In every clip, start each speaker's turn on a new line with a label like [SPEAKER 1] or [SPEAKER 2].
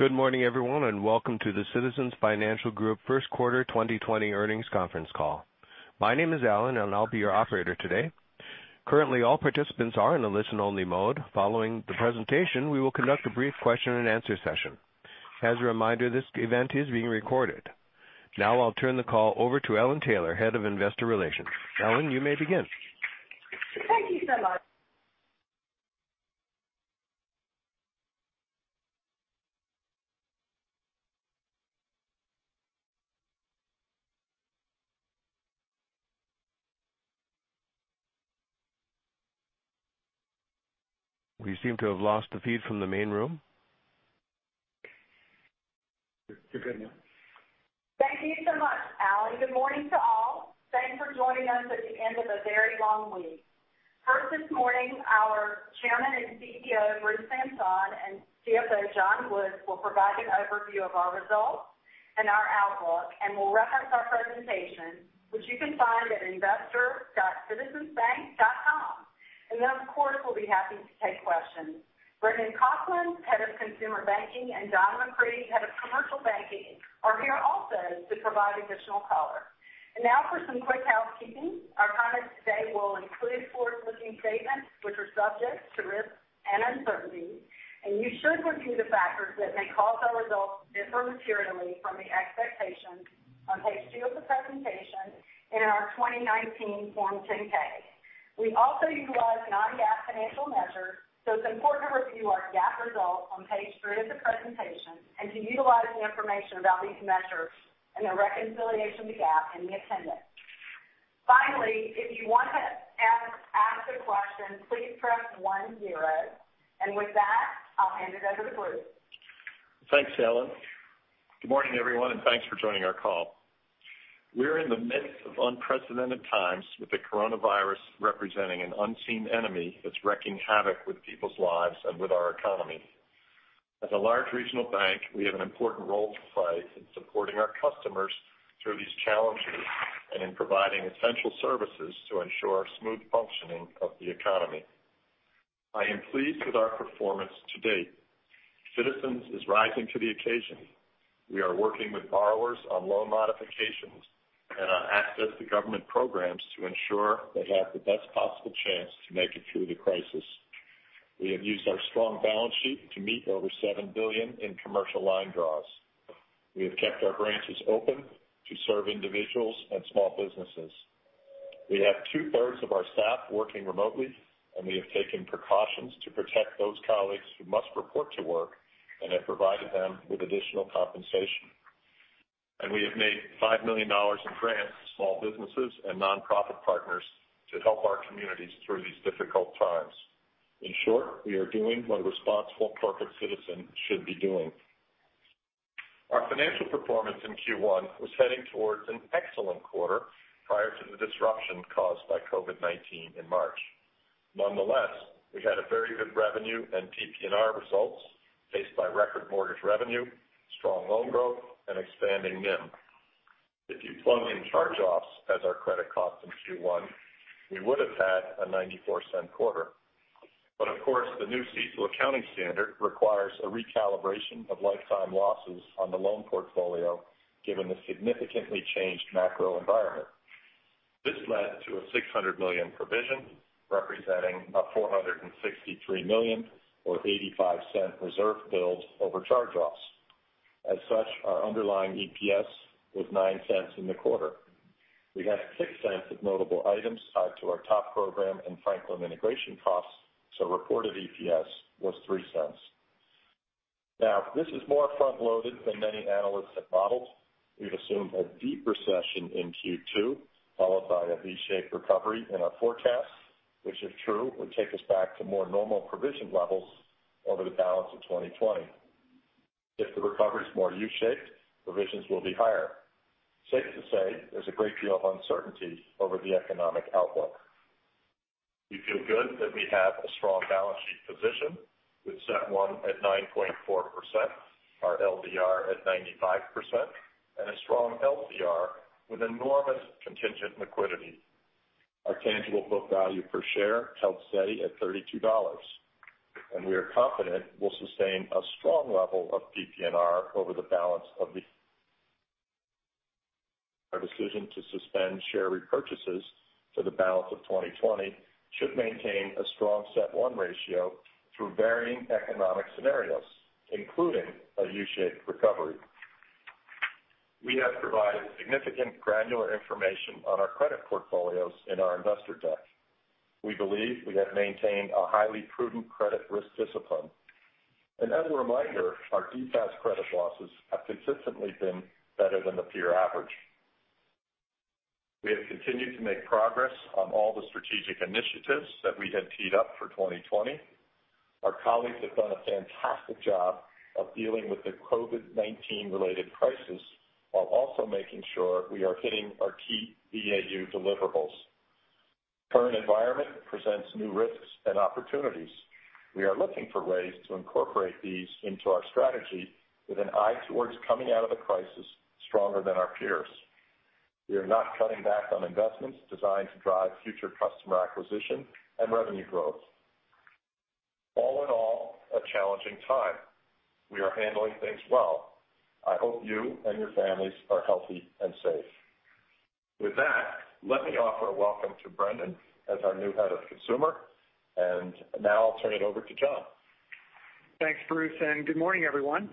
[SPEAKER 1] Good morning, everyone, and welcome to the Citizens Financial Group first quarter 2020 earnings conference call. My name is Alan, and I'll be your operator today. Currently, all participants are in a listen-only mode. Following the presentation, we will conduct a brief question and answer session. As a reminder, this event is being recorded. Now I'll turn the call over to Ellen Taylor, Head of Investor Relations. Ellen, you may begin.
[SPEAKER 2] Thank you so much.
[SPEAKER 1] We seem to have lost the feed from the main room. You're good now.
[SPEAKER 2] Thank you so much, Alan. Good morning to all. Thanks for joining us at the end of a very long week. First this morning, our Chairman and CEO, Bruce Van Saun, and CFO, John Woods, will provide an overview of our results and our outlook and will reference our presentation, which you can find at investor.citizensbank.com. Then, of course, we'll be happy to take questions. Brendan Coughlin, Head of Consumer Banking, and Don McCree, Head of Commercial Banking, are here also to provide additional color. Now for some quick housekeeping. Our comments today will include forward-looking statements which are subject to risks and uncertainties, and you should review the factors that may cause our results to differ materially from the expectations on page two of the presentation and in our 2019 Form 10-K. We also utilize non-GAAP financial measures, so it's important to review our GAAP results on page three of the presentation and to utilize the information about these measures and their reconciliation to GAAP in the appendix. Finally, if you want to ask a question, please press one zero. With that, I'll hand it over to Bruce.
[SPEAKER 3] Thanks, Ellen. Good morning, everyone, and thanks for joining our call. We're in the midst of unprecedented times, with the coronavirus representing an unseen enemy that's wreaking havoc with people's lives and with our economy. As a large regional bank, we have an important role to play in supporting our customers through these challenges and in providing essential services to ensure smooth functioning of the economy. I am pleased with our performance to date. Citizens is rising to the occasion. We are working with borrowers on loan modifications and on access to government programs to ensure they have the best possible chance to make it through the crisis. We have used our strong balance sheet to meet over $7 billion in commercial line draws. We have kept our branches open to serve individuals and small businesses. We have 2/3 of our staff working remotely, We have taken precautions to protect those colleagues who must report to work and have provided them with additional compensation. We have made $5 million in grants to small businesses and nonprofit partners to help our communities through these difficult times. In short, we are doing what a responsible corporate citizen should be doing. Our financial performance in Q1 was heading towards an excellent quarter prior to the disruption caused by COVID-19 in March. Nonetheless, we had a very good revenue and PPNR results, paced by record mortgage revenue, strong loan growth, and expanding NIM. If you plug in charge-offs as our credit costs in Q1, we would have had a $0.94 quarter. Of course, the new CECL accounting standard requires a recalibration of lifetime losses on the loan portfolio given the significantly changed macro environment. This led to a $600 million provision, representing a $463 million or $0.85 reserve build over charge-offs. As such, our underlying EPS was $0.09 in the quarter. We had $0.06 of notable items tied to our TOP program and Franklin integration costs, so reported EPS was $0.03. Now, this is more front-loaded than many analysts have modeled. We've assumed a deep recession in Q2, followed by a V-shaped recovery in our forecast, which if true, would take us back to more normal provision levels over the balance of 2020. If the recovery is more U-shaped, provisions will be higher. Safe to say, there's a great deal of uncertainty over the economic outlook. We feel good that we have a strong balance sheet position with CET1 at 9.4%, our LDR at 95%, and a strong LCR with enormous contingent liquidity. Our tangible book value per share held steady at $32, and we are confident we'll sustain a strong level of PPNR over the balance of the year. Our decision to suspend share repurchases for the balance of 2020 should maintain a strong CET1 ratio through varying economic scenarios, including a U-shaped recovery. We have provided significant granular information on our credit portfolios in our investor deck. We believe we have maintained a highly prudent credit risk discipline. As a reminder, our DFAST credit losses have consistently been better than the peer average. We have continued to make progress on all the strategic initiatives that we had teed up for 2020. Our colleagues have done a fantastic job of dealing with the COVID-19 related crisis while also making sure we are hitting our key BAU deliverables. Current environment presents new risks and opportunities. We are looking for ways to incorporate these into our strategy with an eye towards coming out of the crisis stronger than our peers. We are not cutting back on investments designed to drive future customer acquisition and revenue growth. All in all, a challenging time. We are handling things well. I hope you and your families are healthy and safe. With that, let me offer a welcome to Brendan as our new Head of Consumer, and now I'll turn it over to John.
[SPEAKER 4] Thanks, Bruce, good morning, everyone.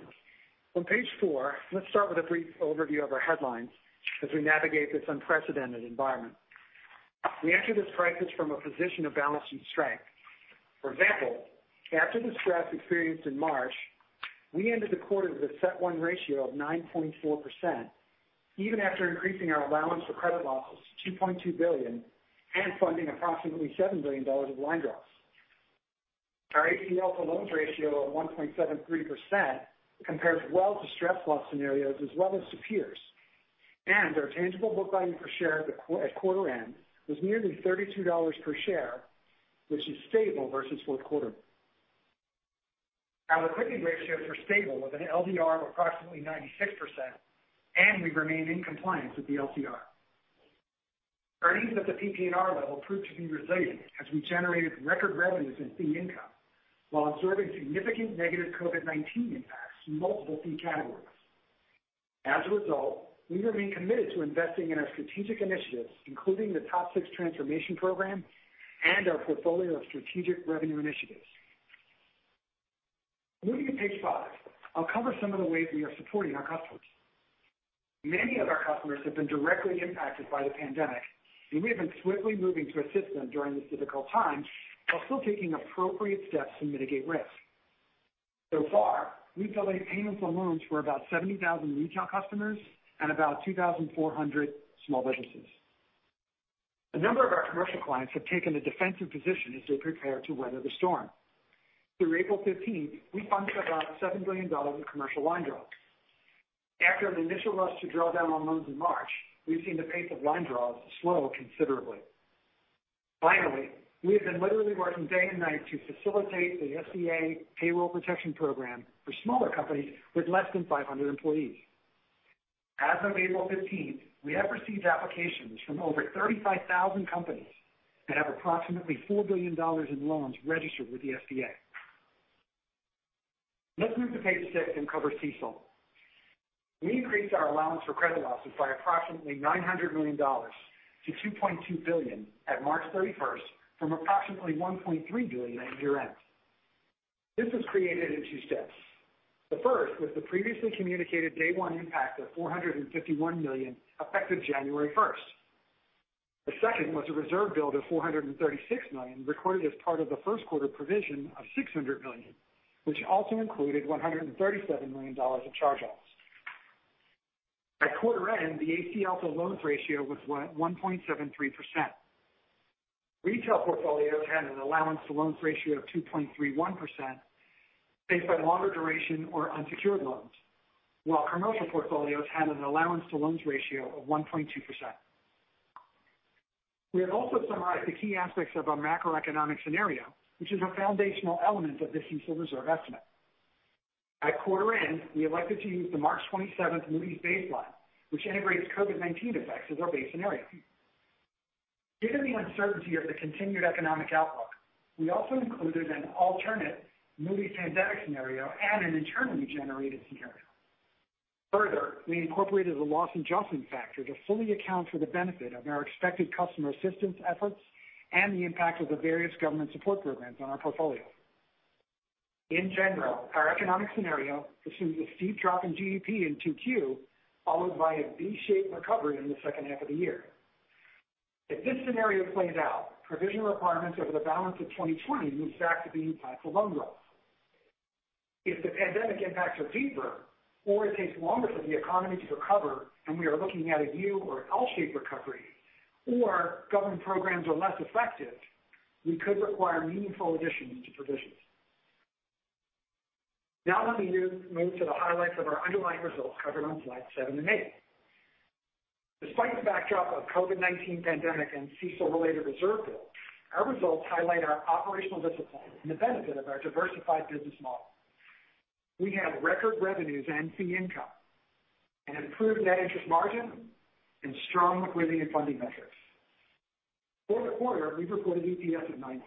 [SPEAKER 4] On page four, let's start with a brief overview of our headlines as we navigate this unprecedented environment. We enter this crisis from a position of balance and strength. For example, after the stress experienced in March, we ended the quarter with a CET1 ratio of 9.4% even after increasing our allowance for credit losses to $2.2 billion and funding approximately $7 billion of line draws. Our ACL to loans ratio of 1.73% compares well to stress loss scenarios as well as to peers. Our tangible book value per share at quarter end was nearly $32 per share, which is stable versus fourth quarter. Our liquidity ratios were stable with an LDR of approximately 96%, and we remain in compliance with the LCR. Earnings at the PPNR level proved to be resilient as we generated record revenues and fee income while absorbing significant negative COVID-19 impacts to multiple fee categories. As a result, we remain committed to investing in our strategic initiatives, including the TOP 6 Transformation Program and our portfolio of strategic revenue initiatives. Moving to page five, I'll cover some of the ways we are supporting our customers. Many of our customers have been directly impacted by the pandemic, and we have been swiftly moving to assist them during this difficult time while still taking appropriate steps to mitigate risk. So far, we've delayed payments on loans for about 70,000 retail customers and about 2,400 small businesses. A number of our commercial clients have taken a defensive position as they prepare to weather the storm. Through April 15th, we funded about $7 billion of commercial line draws. After an initial rush to draw down on loans in March, we've seen the pace of line draws slow considerably. We have been literally working day and night to facilitate the SBA Paycheck Protection Program for smaller companies with less than 500 employees. As of April 15th, we have received applications from over 35,000 companies and have approximately $4 billion in loans registered with the SBA. Let's move to page six and cover CECL. We increased our allowance for credit losses by approximately $900 million to $2.2 billion at March 31st from approximately $1.3 billion at year-end. This was created in two steps. The first was the previously communicated day one impact of $451 million effective January 1st. The second was a reserve build of $436 million recorded as part of the first quarter provision of $600 million, which also included $137 million of charge-offs. At quarter end, the ACL to loans ratio was 1.73%. Retail portfolios had an allowance to loans ratio of 2.31%, based on longer duration or unsecured loans, while commercial portfolios had an allowance to loans ratio of 1.2%. We have also summarized the key aspects of our macroeconomic scenario, which is a foundational element of the CECL reserve estimate. At quarter end, we elected to use the March 27th Moody's baseline, which integrates COVID-19 effects as our base scenario. Given the uncertainty of the continued economic outlook, we also included an alternate Moody's pandemic scenario and an internally generated scenario. We incorporated a loss adjustment factor to fully account for the benefit of our expected customer assistance efforts and the impact of the various government support programs on our portfolio. In general, our economic scenario assumes a steep drop in GDP in 2Q followed by a V-shaped recovery in the second half of the year. If this scenario plays out, provisional requirements over the balance of 2020 move back to being tied to loan growth. If the pandemic impacts are deeper or it takes longer for the economy to recover and we are looking at a U or an L-shaped recovery or government programs are less effective, we could require meaningful additions to provisions. Let me move to the highlights of our underlying results covered on slides seven and eight. Despite the backdrop of COVID-19 pandemic and CECL-related reserve build, our results highlight our operational discipline and the benefit of our diversified business model. We have record revenues and fee income, an improved net interest margin, and strong liquidity and funding metrics. For the quarter, we reported EPS of $0.09,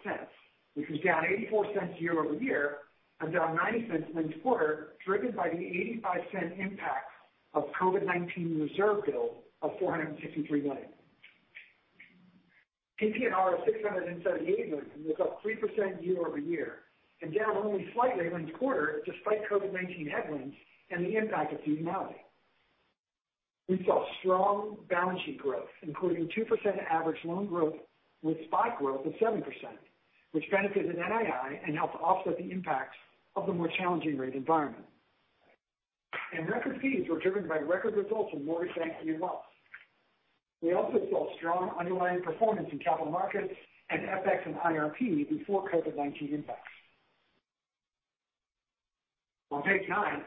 [SPEAKER 4] which was down $0.84 year-over-year and down $0.90 linked quarter, driven by the $0.85 impact of COVID-19 reserve build of $453 million. PPNR of $678 million was up 3% year-over-year and down only slightly linked quarter despite COVID-19 headwinds and the impact of seasonality. We saw strong balance sheet growth, including 2% average loan growth with spike growth of 7%, which benefits NII and helps offset the impacts of the more challenging rate environment. Record fees were driven by record results in mortgage banking and wealth. We also saw strong underlying performance in capital markets and FX and IRP before COVID-19 impacts. On page nine,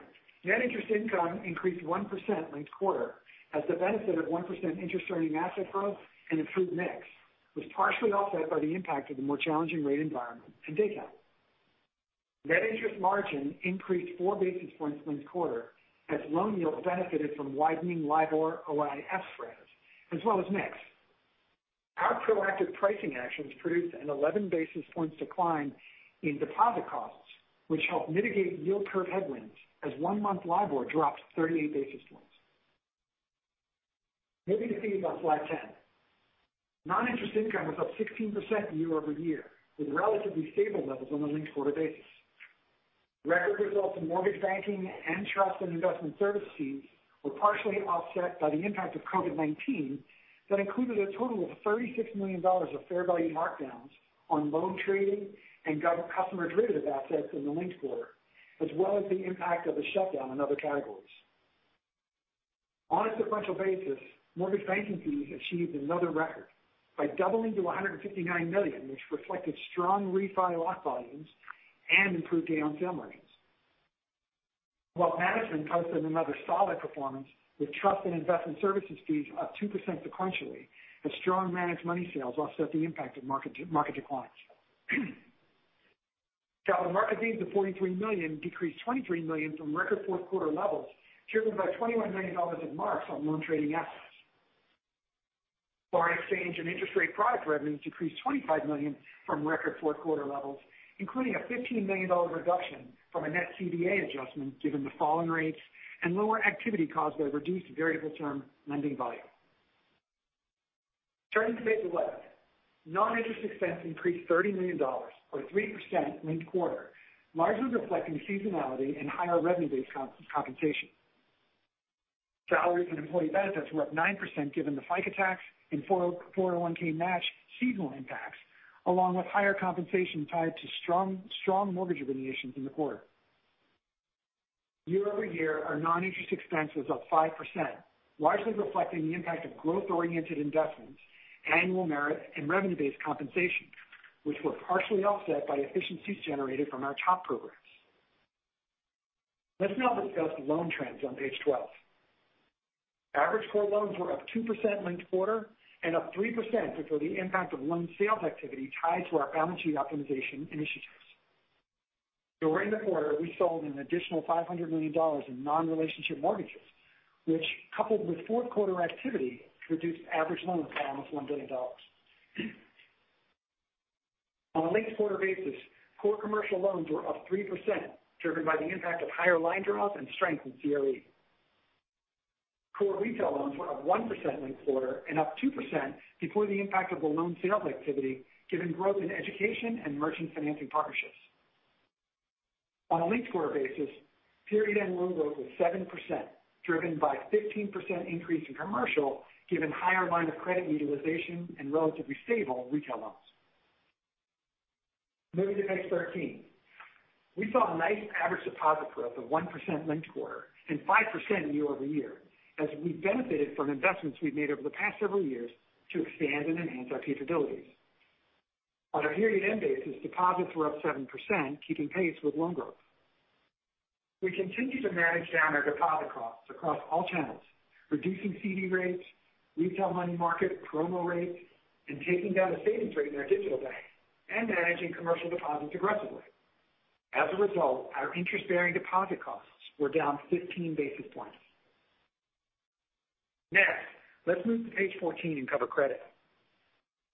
[SPEAKER 4] net interest income increased 1% linked quarter as the benefit of 1% interest earning asset growth and improved mix was partially offset by the impact of the more challenging rate environment and day count. Net interest margin increased four basis points linked quarter as loan yields benefited from widening LIBOR-OIS spreads as well as mix. Our proactive pricing actions produced an 11 basis points decline in deposit costs, which helped mitigate yield curve headwinds as one-month LIBOR dropped 38 basis points. Moving to slide 10. Non-interest income was up 16% year-over-year, with relatively stable levels on a linked-quarter basis. Record results in mortgage banking and trust and investment services were partially offset by the impact of COVID-19 that included a total of $36 million of fair value markdowns on loan trading and customer derivative assets in the linked quarter, as well as the impact of the shutdown on other categories. On a sequential basis, mortgage banking fees achieved another record by doubling to $159 million, which reflected strong refi lock volumes and improved day on sale earnings. Wealth management posted another solid performance with trust and investment services fees up 2% sequentially as strong managed money sales offset the impact of market declines. Calendar market fees of $43 million decreased $23 million from record fourth-quarter levels, driven by $21 million of marks on loan trading assets. Foreign exchange and interest rate product revenues decreased $25 million from record fourth-quarter levels, including a $15 million reduction from a net CVA adjustment given the fallen rates and lower activity caused by reduced variable term lending volume. Turning to page 11. Non-interest expense increased $30 million or 3% linked quarter, largely reflecting seasonality and higher revenue-based compensation. Salaries and employee benefits were up 9% given the FICA tax and 401(k) match seasonal impacts, along with higher compensation tied to strong mortgage origination in the quarter. Year-over-year, our non-interest expense was up 5%, largely reflecting the impact of growth-oriented investments, annual merit and revenue-based compensation, which were partially offset by efficiencies generated from our top programs. Let's now discuss loan trends on page 12. Average core loans were up 2% linked quarter and up 3% before the impact of loan sales activity tied to our balance sheet optimization initiatives. During the quarter, we sold an additional $500 million in non-relationship mortgages, which, coupled with fourth quarter activity, reduced average loan balance $1 billion. On a linked-quarter basis, core commercial loans were up 3%, driven by the impact of higher line draws and strength in CLE. Core retail loans were up 1% linked quarter and up 2% before the impact of the loan sales activity given growth in education and merchant financing partnerships. On a linked-quarter basis, period-end loan growth was 7%, driven by 15% increase in commercial given higher line of credit utilization and relatively stable retail loans. Moving to page 13. We saw a nice average deposit growth of 1% linked-quarter and 5% year-over-year as we benefited from investments we've made over the past several years to expand and enhance our capabilities. On a period-end basis, deposits were up 7%, keeping pace with loan growth. We continue to manage down our deposit costs across all channels, reducing CD rates, retail money market promo rates, and taking down the savings rate in our digital bank and managing commercial deposits aggressively. As a result, our interest-bearing deposit costs were down 15 basis points. Let's move to page 14 and cover credit.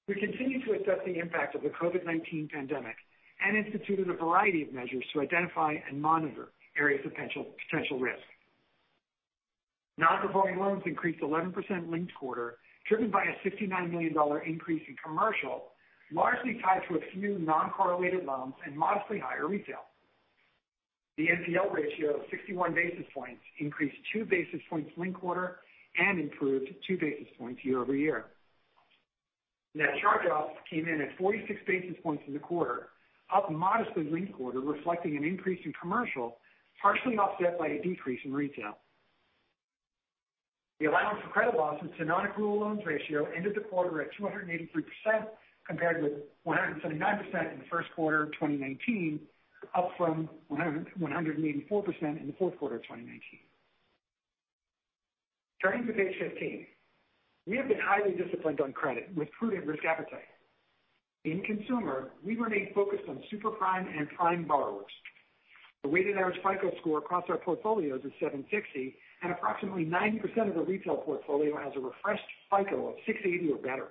[SPEAKER 4] We continue to assess the impact of the COVID-19 pandemic and instituted a variety of measures to identify and monitor areas of potential risk. Non-performing loans increased 11% linked quarter, driven by a $69 million increase in commercial, largely tied to a few non-correlated loans and modestly higher retail. The NPL ratio of 61 basis points increased 2 basis points linked quarter and improved 2 basis points year-over-year. Net charge-offs came in at 46 basis points in the quarter, up modestly linked quarter, reflecting an increase in commercial, partially offset by a decrease in retail. The allowance for credit losses to non-accrual loans ratio ended the quarter at 283%, compared with 179% in the first quarter of 2019, up from 184% in the fourth quarter of 2019. Turning to page 15. We have been highly disciplined on credit with prudent risk appetite. In consumer, we remain focused on super prime and prime borrowers. The weighted average FICO score across our portfolios is 760, and approximately 90% of the retail portfolio has a refreshed FICO of 680 or better.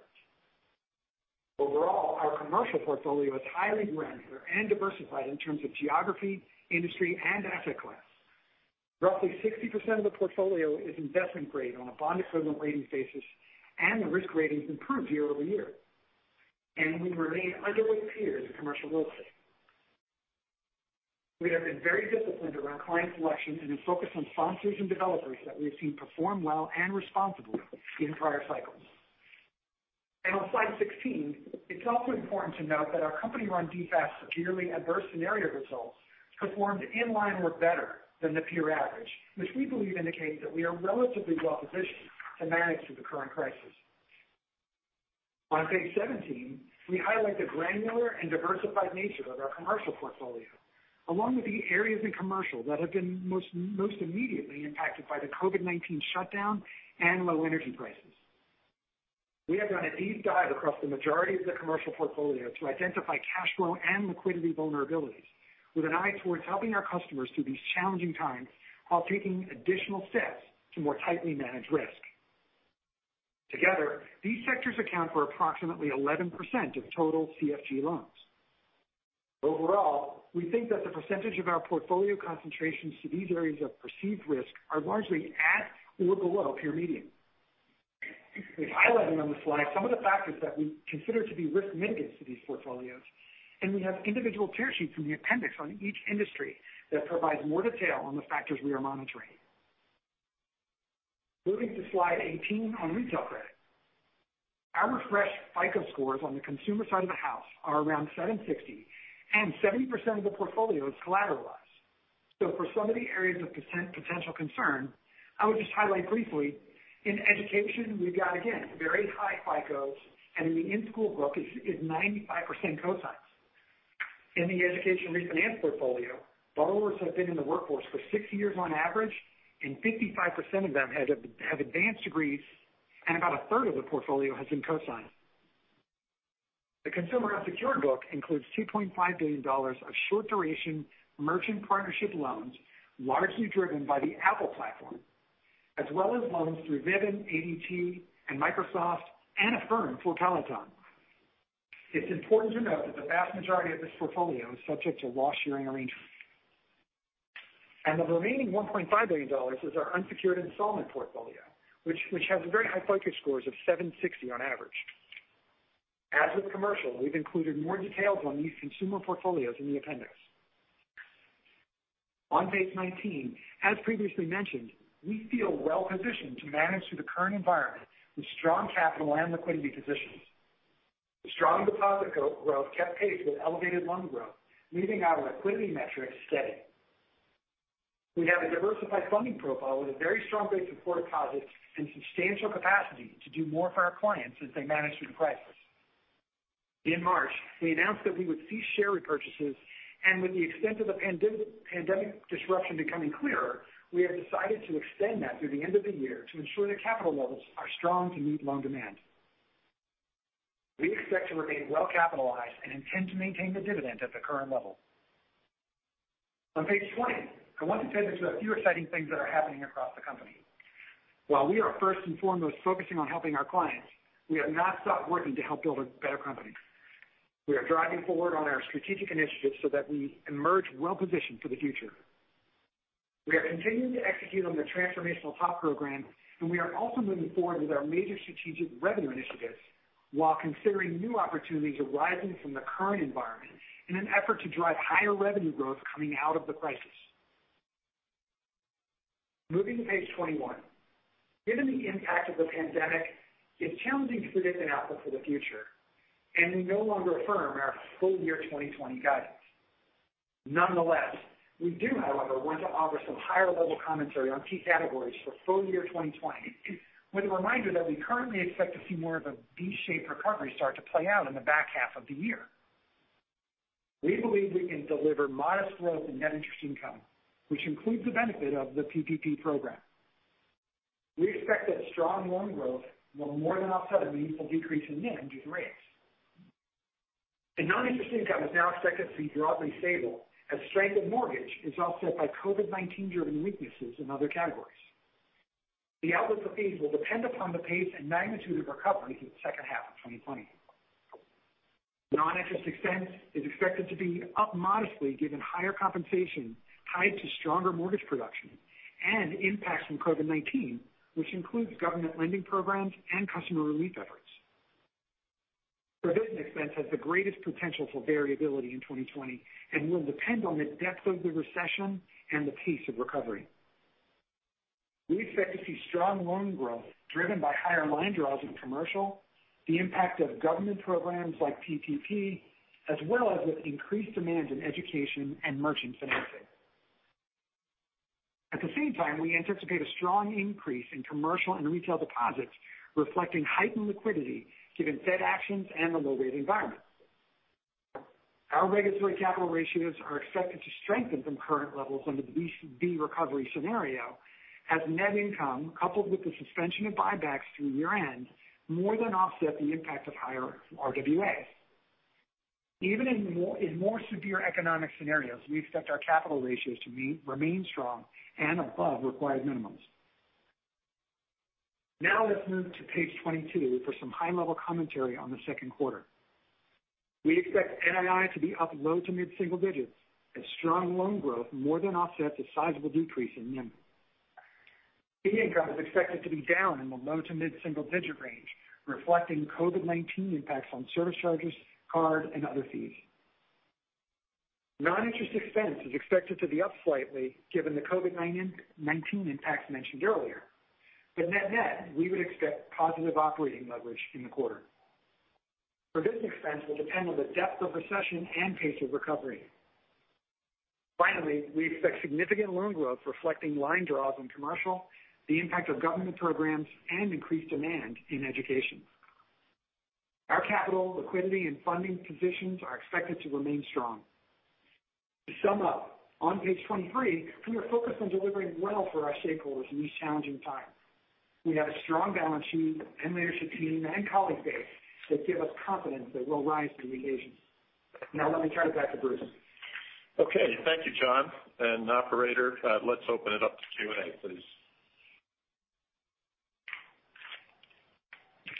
[SPEAKER 4] Overall, our commercial portfolio is highly granular and diversified in terms of geography, industry, and asset class. Roughly 60% of the portfolio is investment grade on a bond-equivalent rating basis, and the risk rating's improved year-over-year. We remain underweight peers in commercial real estate. We have been very disciplined around client selection and have focused on sponsors and developers that we've seen perform well and responsibly in prior cycles. On slide 16, it's also important to note that our company-run DFAST severely adverse scenario results performed in line or better than the peer average, which we believe indicates that we are relatively well-positioned to manage through the current crisis. On page 17, we highlight the granular and diversified nature of our commercial portfolio, along with the areas in commercial that have been most immediately impacted by the COVID-19 shutdown and low energy prices. We have done a deep dive across the majority of the commercial portfolio to identify cash flow and liquidity vulnerabilities with an eye towards helping our customers through these challenging times while taking additional steps to more tightly manage risk. Together, these sectors account for approximately 11% of total CFG loans. Overall, we think that the percentage of our portfolio concentrations to these areas of perceived risk are largely at or below peer median. We've highlighted on the slide some of the factors that we consider to be risk mitigants to these portfolios, and we have individual tear sheets in the appendix on each industry that provides more detail on the factors we are monitoring. Moving to slide 18 on retail credit. Our refreshed FICO scores on the consumer side of the house are around 760 and 70% of the portfolio is collateralized. For some of the areas of potential concern, I would just highlight briefly, in education, we've got, again, very high FICOs and the in-school book is 95% cosigned. In the education refinance portfolio, borrowers have been in the workforce for six years on average, and 55% of them have advanced degrees, and about 1/3 of the portfolio has been cosigned. The consumer unsecured book includes $2.5 billion of short duration merchant partnership loans, largely driven by the Apple platform, as well as loans through Vivint, ADT, and Microsoft, and Affirm for Peloton. It's important to note that the vast majority of this portfolio is subject to loss sharing arrangements. The remaining $1.5 billion is our unsecured installment portfolio, which has very high FICO scores of 760 on average. As with commercial, we've included more details on these consumer portfolios in the appendix. On page 19, as previously mentioned, we feel well-positioned to manage through the current environment with strong capital and liquidity positions. Strong deposit growth kept pace with elevated loan growth, leaving our liquidity metrics steady. We have a diversified funding profile with a very strong base of core deposits and substantial capacity to do more for our clients as they manage through the crisis. In March, we announced that we would cease share repurchases, and with the extent of the pandemic disruption becoming clearer, we have decided to extend that through the end of the year to ensure that capital levels are strong to meet loan demand. We expect to remain well capitalized and intend to maintain the dividend at the current level. On page 20, I want to turn to a few exciting things that are happening across the company. While we are first and foremost focusing on helping our clients, we have not stopped working to help build a better company. We are driving forward on our strategic initiatives so that we emerge well positioned for the future. We are continuing to execute on the transformational TOP Program, and we are also moving forward with our major strategic revenue initiatives while considering new opportunities arising from the current environment in an effort to drive higher revenue growth coming out of the crisis. Moving to page 21. Given the impact of the pandemic, it's challenging to predict an outlook for the future, and we no longer affirm our full year 2020 guidance. Nonetheless, we do, however, want to offer some higher-level commentary on key categories for full year 2020, with a reminder that we currently expect to see more of a V-shaped recovery start to play out in the back half of the year. We believe we can deliver modest growth in net interest income, which includes the benefit of the PPP program. We expect that strong loan growth will more than offset a meaningful decrease in NIM due to rates. Non-interest income is now expected to be broadly stable as strength in mortgage is offset by COVID-19-driven weaknesses in other categories. The outlook for fees will depend upon the pace and magnitude of recovery through the second half of 2020. Non-interest expense is expected to be up modestly given higher compensation tied to stronger mortgage production and impacts from COVID-19, which includes government lending programs and customer relief efforts. Provision expense has the greatest potential for variability in 2020 and will depend on the depth of the recession and the pace of recovery. We expect to see strong loan growth driven by higher line draws in commercial, the impact of government programs like PPP, as well as with increased demand in education and merchant financing. At the same time, we anticipate a strong increase in commercial and retail deposits reflecting heightened liquidity given Fed actions and the low rate environment. Our regulatory capital ratios are expected to strengthen from current levels under the V recovery scenario as net income, coupled with the suspension of buybacks through year-end, more than offset the impact of higher RWAs. Even in more severe economic scenarios, we expect our capital ratios to remain strong and above required minimums. Now let's move to page 22 for some high-level commentary on the second quarter. We expect NII to be up low to mid-single digits as strong loan growth more than offsets a sizable decrease in NIM. Fee income is expected to be down in the low to mid-single digit range, reflecting COVID-19 impacts on service charges, card, and other fees. Non-interest expense is expected to be up slightly given the COVID-19 impacts mentioned earlier, but net-net, we would expect positive operating leverage in the quarter. Provision expense will depend on the depth of recession and pace of recovery. Finally, we expect significant loan growth reflecting line draws in commercial, the impact of government programs, and increased demand in education. Our capital liquidity and funding positions are expected to remain strong. To sum up, on page 23, we are focused on delivering well for our stakeholders in these challenging times. We have a strong balance sheet and leadership team and colleague base that give us confidence that we'll rise to the occasion. Let me turn it back to Bruce.
[SPEAKER 3] Okay. Thank you, John. Operator, let's open it up to Q&A, please.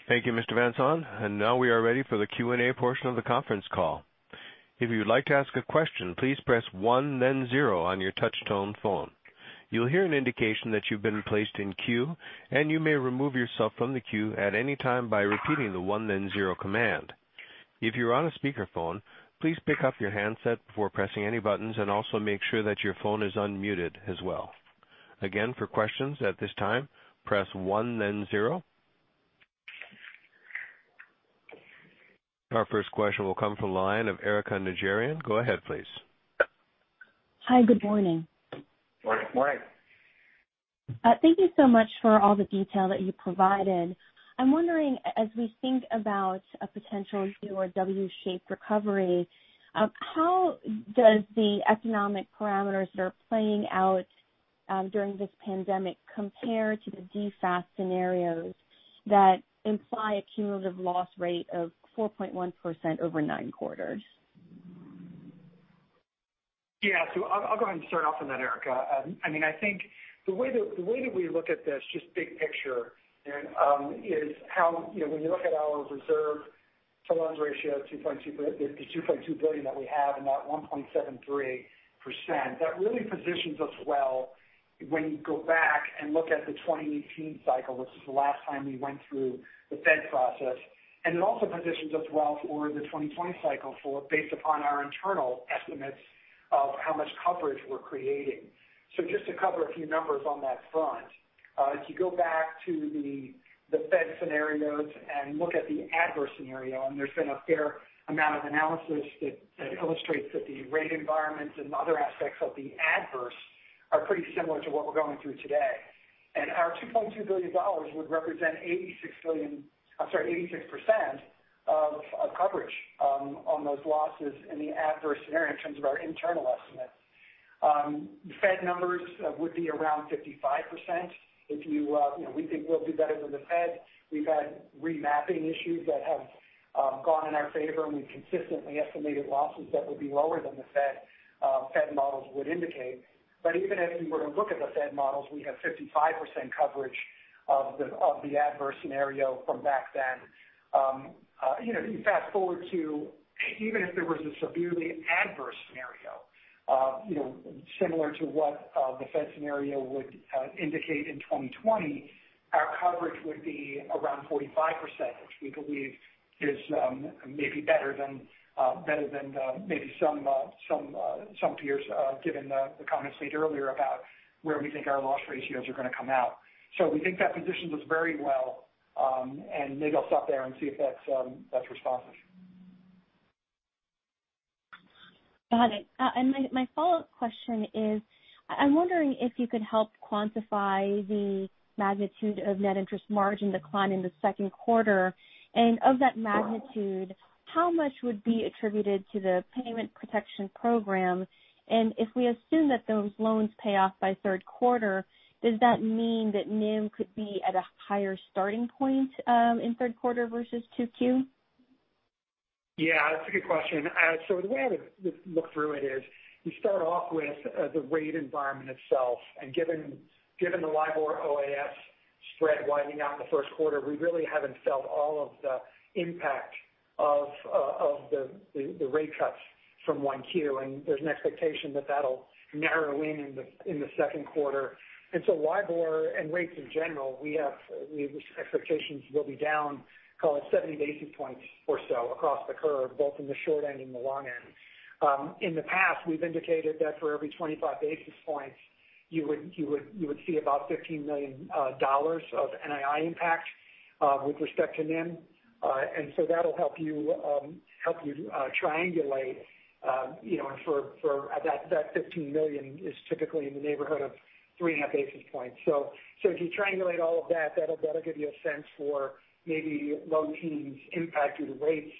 [SPEAKER 1] Thank you, Mr. Van Saun. Now we are ready for the Q&A portion of the conference call. If you'd like to ask a question, please press one then zero on your touch-tone phone. You'll hear an indication that you've been placed in queue, and you may remove yourself from the queue at any time by repeating the one then zero command. If you're on a speakerphone, please pick up your handset before pressing any buttons, and also make sure that your phone is unmuted as well. Again, for questions at this time, press one then zero. Our first question will come from the line of Erika Najarian. Go ahead, please.
[SPEAKER 5] Hi. Good morning.
[SPEAKER 3] Morning.
[SPEAKER 4] Morning.
[SPEAKER 5] Thank you so much for all the detail that you provided. I'm wondering, as we think about a potential U or W-shaped recovery, how does the economic parameters that are playing out during this pandemic compare to the DFAST scenarios that imply a cumulative loss rate of 4.1% over nine quarters?
[SPEAKER 4] Yeah. I'll go ahead and start off on that, Erika. I think the way that we look at this, just big picture, is how when you look at our reserve to loans ratio, the $2.2 billion that we have and that 1.73%, that really positions us well when you go back and look at the 2018 cycle, which is the last time we went through the Fed process. It also positions us well for the 2020 cycle based upon our internal estimates of how much coverage we're creating. Just to cover a few numbers on that front. If you go back to the Fed scenarios and look at the adverse scenario, and there's been a fair amount of analysis that illustrates that the rate environments and other aspects of the adverse are pretty similar to what we're going through today. Our $2.2 billion would represent 86% of coverage on those losses in the adverse scenario in terms of our internal estimate. The Fed numbers would be around 55%. We think we'll do better than the Fed. We've had remapping issues that have gone in our favor, and we've consistently estimated losses that would be lower than the Fed models would indicate. Even if we were to look at the Fed models, we have 55% coverage of the adverse scenario from back then. You fast-forward to even if there was a severely adverse scenario similar to what the Fed scenario would indicate in 2020, our coverage would be around 45%, which we believe is maybe better than maybe some peers given the comments made earlier about where we think our loss ratios are going to come out. We think that positions us very well. Maybe I'll stop there and see if that's responsive.
[SPEAKER 5] Got it. My follow-up question is, I'm wondering if you could help quantify the magnitude of net interest margin decline in the second quarter. Of that magnitude, how much would be attributed to the Payment Protection Program? If we assume that those loans pay off by third quarter, does that mean that NIM could be at a higher starting point in third quarter versus 2Q?
[SPEAKER 4] Yeah. That's a good question. The way I would look through it is you start off with the rate environment itself. Given the LIBOR-OIS spread widening out in the first quarter, we really haven't felt all of the impact of the rate cuts from 1Q, and there's an expectation that that'll narrow in in the second quarter. LIBOR and rates in general, we have expectations will be down, call it 70 basis points or so across the curve, both in the short end and the long end. In the past, we've indicated that for every 25 basis points, you would see about $15 million of NII impact with respect to NIM. That'll help you triangulate for that $15 million is typically in the neighborhood of 3.5 basis points. If you triangulate all of that'll give you a sense for maybe low teens impact due to rates.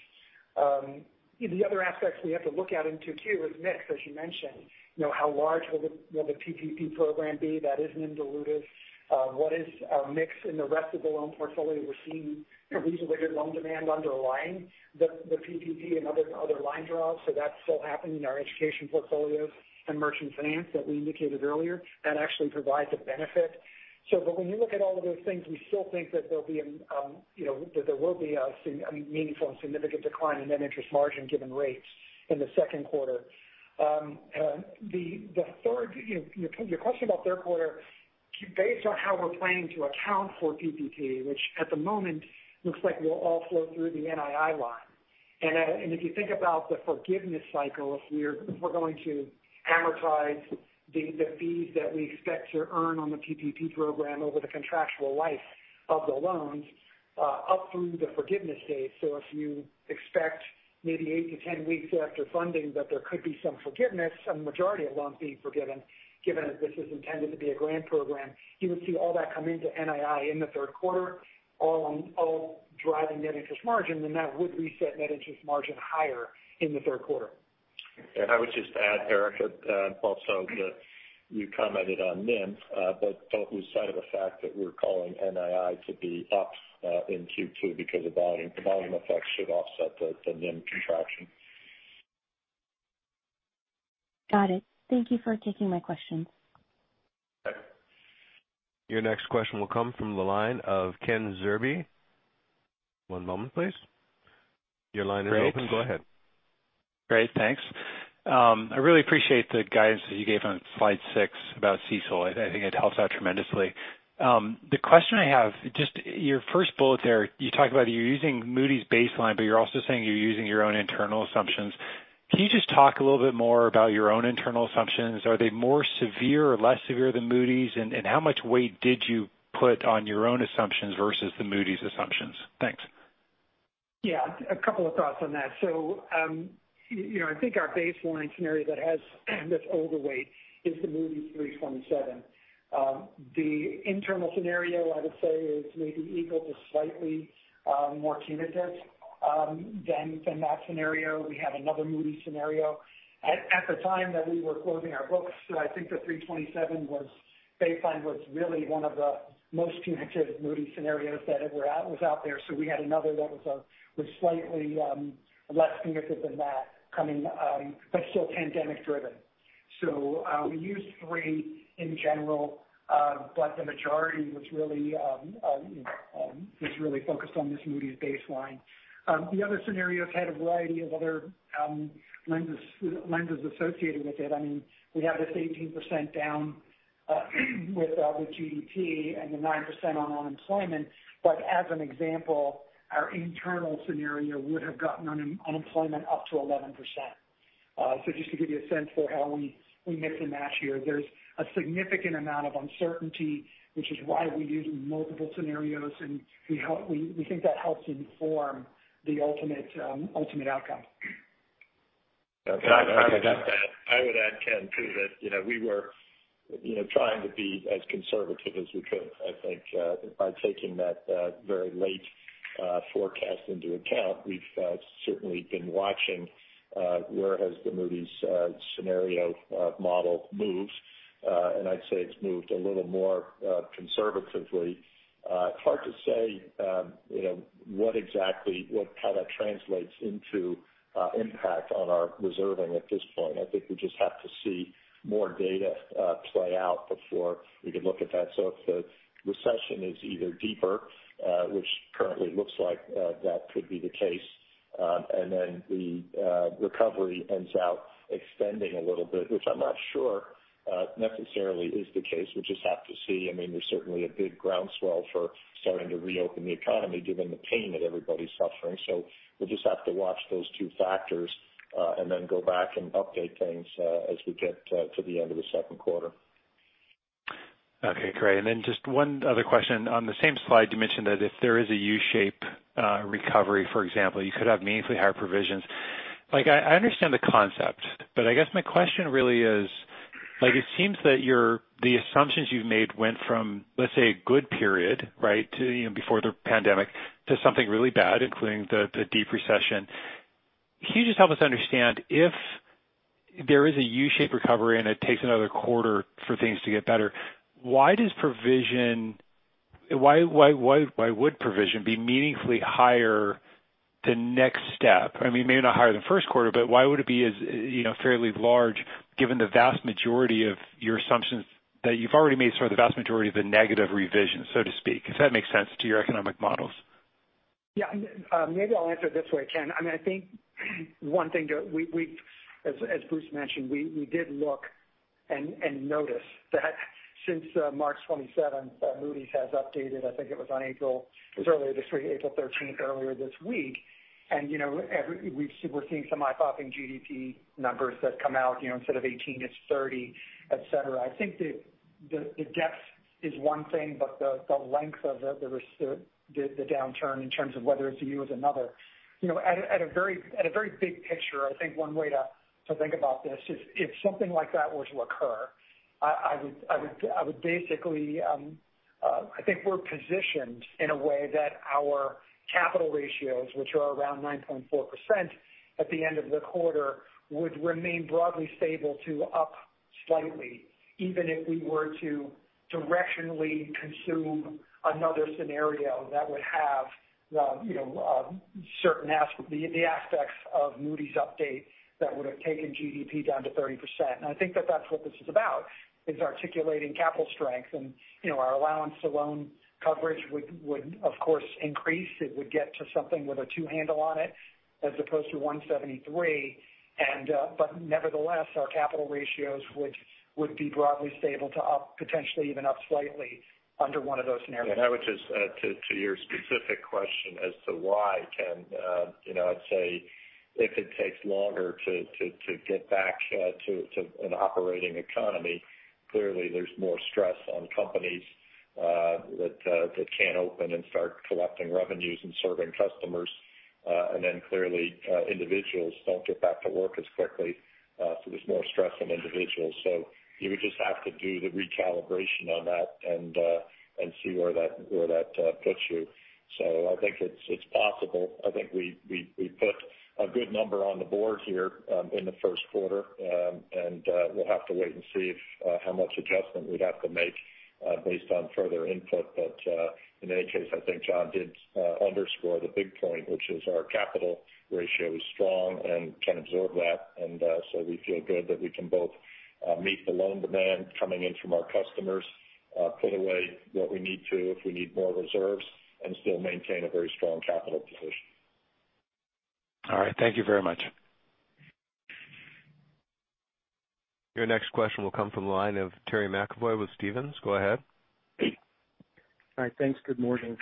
[SPEAKER 4] The other aspects we have to look at in 2Q is mix, as you mentioned. How large will the PPP program be that isn't in dilutive? What is our mix in the rest of the loan portfolio? We're seeing reasonably good loan demand underlying the PPP and other line draws. That's still happening in our education portfolios and merchant finance that we indicated earlier. That actually provides a benefit. When you look at all of those things, we still think that there will be a meaningful and significant decline in net interest margin given rates in the second quarter. Your question about third quarter, based on how we're planning to account for PPP, which at the moment looks like will all flow through the NII line. If you think about the forgiveness cycle, if we're going to amortize the fees that we expect to earn on the PPP program over the contractual life of the loans up through the forgiveness date. If you expect maybe 8 to 10 weeks after funding that there could be some forgiveness, some majority of loans being forgiven, given that this is intended to be a grant program. You would see all that come into NII in the third quarter, all driving net interest margin, that would reset net interest margin higher in the third quarter.
[SPEAKER 3] I would just add, Erika, also that you commented on NIM, but don't lose sight of the fact that we're calling NII to be up in Q2 because of volume. The volume effects should offset the NIM contraction.
[SPEAKER 5] Got it. Thank you for taking my questions.
[SPEAKER 3] Okay.
[SPEAKER 1] Your next question will come from the line of Ken Zerbe. One moment please. Your line is open. Go ahead.
[SPEAKER 6] Great. Thanks. I really appreciate the guidance that you gave on slide six about CECL. I think it helps out tremendously. The question I have, just your first bullet there, you talk about you're using Moody's baseline, but you're also saying you're using your own internal assumptions. Can you just talk a little bit more about your own internal assumptions? Are they more severe or less severe than Moody's? How much weight did you put on your own assumptions versus the Moody's assumptions? Thanks.
[SPEAKER 4] Yeah, a couple of thoughts on that. I think our baseline scenario that's overweight is the Moody's 3/27. The internal scenario, I would say, is maybe equal to slightly more punitive than that scenario. We had another Moody's scenario. At the time that we were closing our books, I think the 3/27 baseline was really one of the most punitive Moody's scenarios that was out there. We had another that was slightly less punitive than that coming, but still pandemic driven. We used three in general. The majority was really focused on this Moody's baseline. The other scenarios had a variety of other lenses associated with it. We have this 18% down with the GDP and the 9% on unemployment. As an example, our internal scenario would have gotten unemployment up to 11%. Just to give you a sense for how we mix and match here. There's a significant amount of uncertainty, which is why we're using multiple scenarios, and we think that helps inform the ultimate outcome.
[SPEAKER 3] I would add, Ken, too, that we were trying to be as conservative as we could. I think by taking that very late forecast into account, we've certainly been watching where has the Moody's scenario model moved. I'd say it's moved a little more conservatively. It's hard to say how that translates into impact on our reserving at this point. I think we just have to see more data play out before we can look at that. If the recession is either deeper, which currently looks like that could be the case, and then the recovery ends out extending a little bit, which I'm not sure necessarily is the case. We'll just have to see. There's certainly a big groundswell for starting to reopen the economy given the pain that everybody's suffering. We'll just have to watch those two factors, and then go back and update things as we get to the end of the second quarter.
[SPEAKER 6] Okay, great. Just one other question. On the same slide, you mentioned that if there is a U-shape recovery, for example, you could have meaningfully higher provisions. I understand the concept, but I guess my question really is, it seems that the assumptions you've made went from, let's say, a good period, before the pandemic, to something really bad, including the deep recession. Can you just help us understand if there is a U-shape recovery and it takes another quarter for things to get better, why would provision be meaningfully higher the next step? Maybe not higher than first quarter, but why would it be as fairly large given the vast majority of your assumptions that you've already made sort of the vast majority of the negative revisions, so to speak? If that makes sense to your economic models.
[SPEAKER 4] Yeah. Maybe I'll answer it this way, Ken. I think one thing, as Bruce mentioned, we did look and notice that since March 27th, Moody's has updated, I think it was earlier this week, April 13th, earlier this week. We're seeing some eye-popping GDP numbers that come out. Instead of 18, it's 30, et cetera. I think the depth is one thing, but the length of the downturn in terms of whether it's a U is another. At a very big picture, I think one way to think about this is if something like that were to occur, I think we're positioned in a way that our capital ratios, which are around 9.4% at the end of the quarter, would remain broadly stable to up slightly, even if we were to directionally consume another scenario that would have the aspects of Moody's update that would've taken GDP down to 30%. I think that that's what this is about, is articulating capital strength and our allowance to loan coverage would of course increase. It would get to something with a two handle on it as opposed to 173 basis points. Nevertheless, our capital ratios would be broadly stable to up, potentially even up slightly under one of those scenarios.
[SPEAKER 3] I would just add to your specific question as to why, Ken. I'd say if it takes longer to get back to an operating economy, clearly there's more stress on companies that can't open and start collecting revenues and serving customers. Clearly, individuals don't get back to work as quickly, so there's more stress on individuals. You would just have to do the recalibration on that and see where that puts you. I think it's possible. I think we put a good number on the board here in the first quarter. We'll have to wait and see how much adjustment we'd have to make based on further input. In any case, I think John did underscore the big point, which is our capital ratio is strong and can absorb that. We feel good that we can both meet the loan demand coming in from our customers, put away what we need to if we need more reserves, and still maintain a very strong capital position.
[SPEAKER 6] All right. Thank you very much.
[SPEAKER 1] Your next question will come from the line of Terry McEvoy with Stephens. Go ahead.
[SPEAKER 7] Hi. Thanks. Good morning.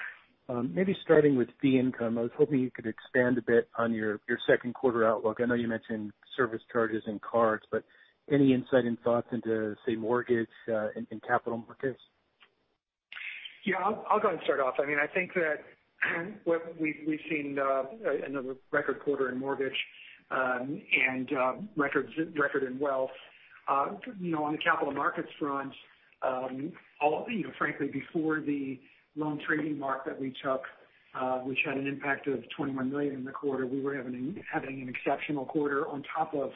[SPEAKER 7] Maybe starting with fee income, I was hoping you could expand a bit on your second quarter outlook. I know you mentioned service charges and cards, but any insight and thoughts into, say, mortgage and capital markets?
[SPEAKER 4] Yeah, I'll go ahead and start off. I think that what we've seen another record quarter in mortgage, and record in wealth. On the capital markets front, frankly before the loan trading mark that we took, which had an impact of $21 million in the quarter, we were having an exceptional quarter on top of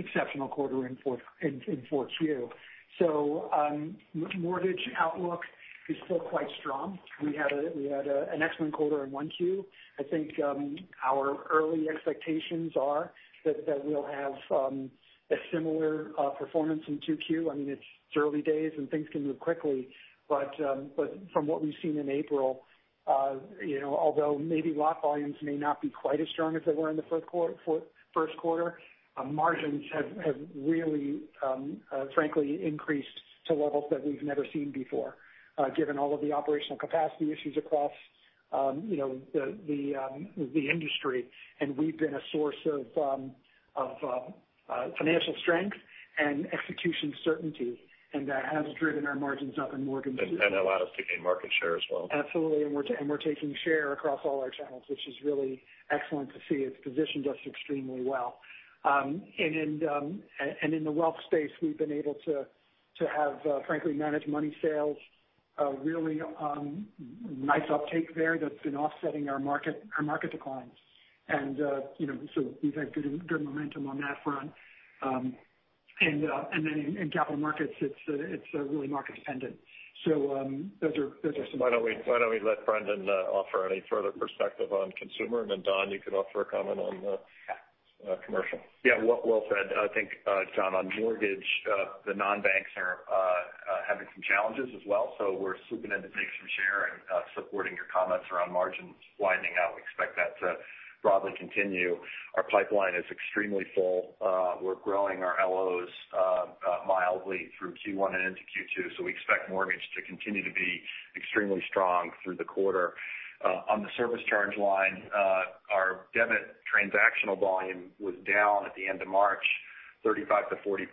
[SPEAKER 4] exceptional quarter in 4Q. Mortgage outlook is still quite strong. We had an excellent quarter in 1Q. I think our early expectations are that we'll have a similar performance in 2Q. It's early days and things can move quickly. From what we've seen in April, although maybe lot volumes may not be quite as strong as they were in the first quarter, margins have really, frankly, increased to levels that we've never seen before, given all of the operational capacity issues across the industry. We've been a source of financial strength and execution certainty, and that has driven our margins up in mortgages.
[SPEAKER 3] And allowed us to gain market share as well.
[SPEAKER 4] Absolutely. We're taking share across all our channels, which is really excellent to see. It's positioned us extremely well. In the wealth space, we've been able to have, frankly, managed money sales, a really nice uptake there that's been offsetting our market declines. So we've had good momentum on that front. Then in capital markets, it's really market dependent. So those are some-
[SPEAKER 3] Why don't we let Brendan offer any further perspective on consumer. Don, you could offer a comment on the commercial.
[SPEAKER 8] Yeah. Well said. I think, John, on mortgage, the non-banks are having some challenges as well. We're swooping in to take some share and supporting your comments around margins widening out. We expect that to broadly continue. Our pipeline is extremely full. We're growing our LOs mildly through Q1 and into Q2, we expect mortgage to continue to be extremely strong through the quarter. On the service charge line, our debit transactional volume was down at the end of March 35%-40%.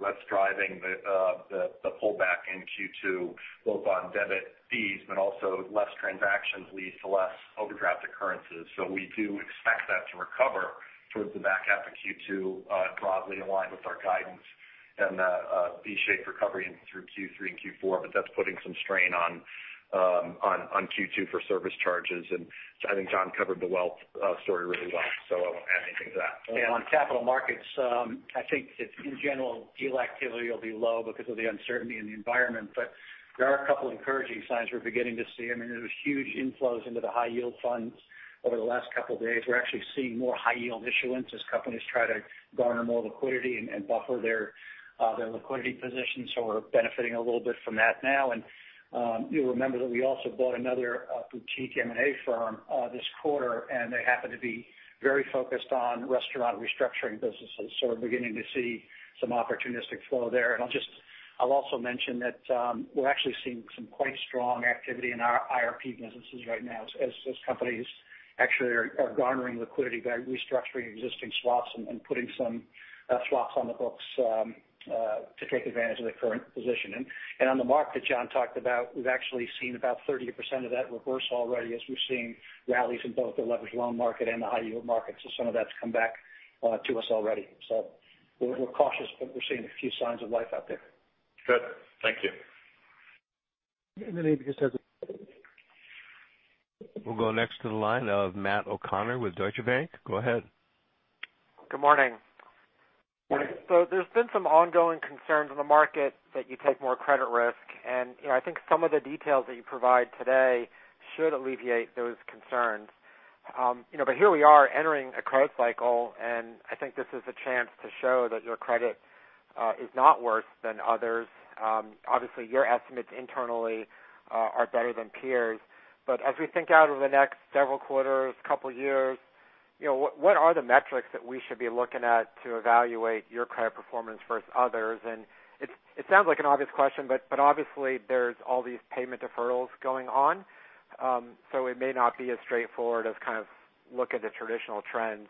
[SPEAKER 8] That's driving the pullback in Q2, both on debit fees, also less transactions lead to less overdraft occurrences. We do expect that to recover towards the back half of Q2, broadly in line with our guidance and a V-shaped recovery through Q3 and Q4. That's putting some strain on Q2 for service charges. I think John covered the wealth story really well, so I won't add anything to that.
[SPEAKER 9] On capital markets, I think that in general, deal activity will be low because of the uncertainty in the environment. There are a couple encouraging signs we're beginning to see. There's huge inflows into the high yield funds over the last couple of days. We're actually seeing more high yield issuance as companies try to garner more liquidity and buffer their liquidity position. We're benefiting a little bit from that now. You'll remember that we also bought another boutique M&A firm this quarter, and they happen to be very focused on restaurant restructuring businesses. We're beginning to see some opportunistic flow there. I'll also mention that we're actually seeing some quite strong activity in our IRP businesses right now as those companies actually are garnering liquidity by restructuring existing swaps and putting some swaps on the books to take advantage of the current position. On the mark that John talked about, we've actually seen about 30% of that reverse already as we're seeing rallies in both the leveraged loan market and the high yield market. Some of that's come back to us already. We're cautious, but we're seeing a few signs of life out there.
[SPEAKER 3] Good. Thank you.
[SPEAKER 1] And then maybe just as a- We'll go next to the line of Matt O'Connor with Deutsche Bank. Go ahead.
[SPEAKER 10] Good morning.
[SPEAKER 3] Morning.
[SPEAKER 10] There's been some ongoing concerns in the market that you take more credit risk, and I think some of the details that you provide today should alleviate those concerns. Here we are entering a credit cycle, and I think this is a chance to show that your credit is not worse than others. Obviously, your estimates internally are better than peers. As we think out over the next several quarters, couple years, what are the metrics that we should be looking at to evaluate your credit performance versus others? It sounds like an obvious question, but obviously there's all these payment deferrals going on. It may not be as straightforward as kind of look at the traditional trends,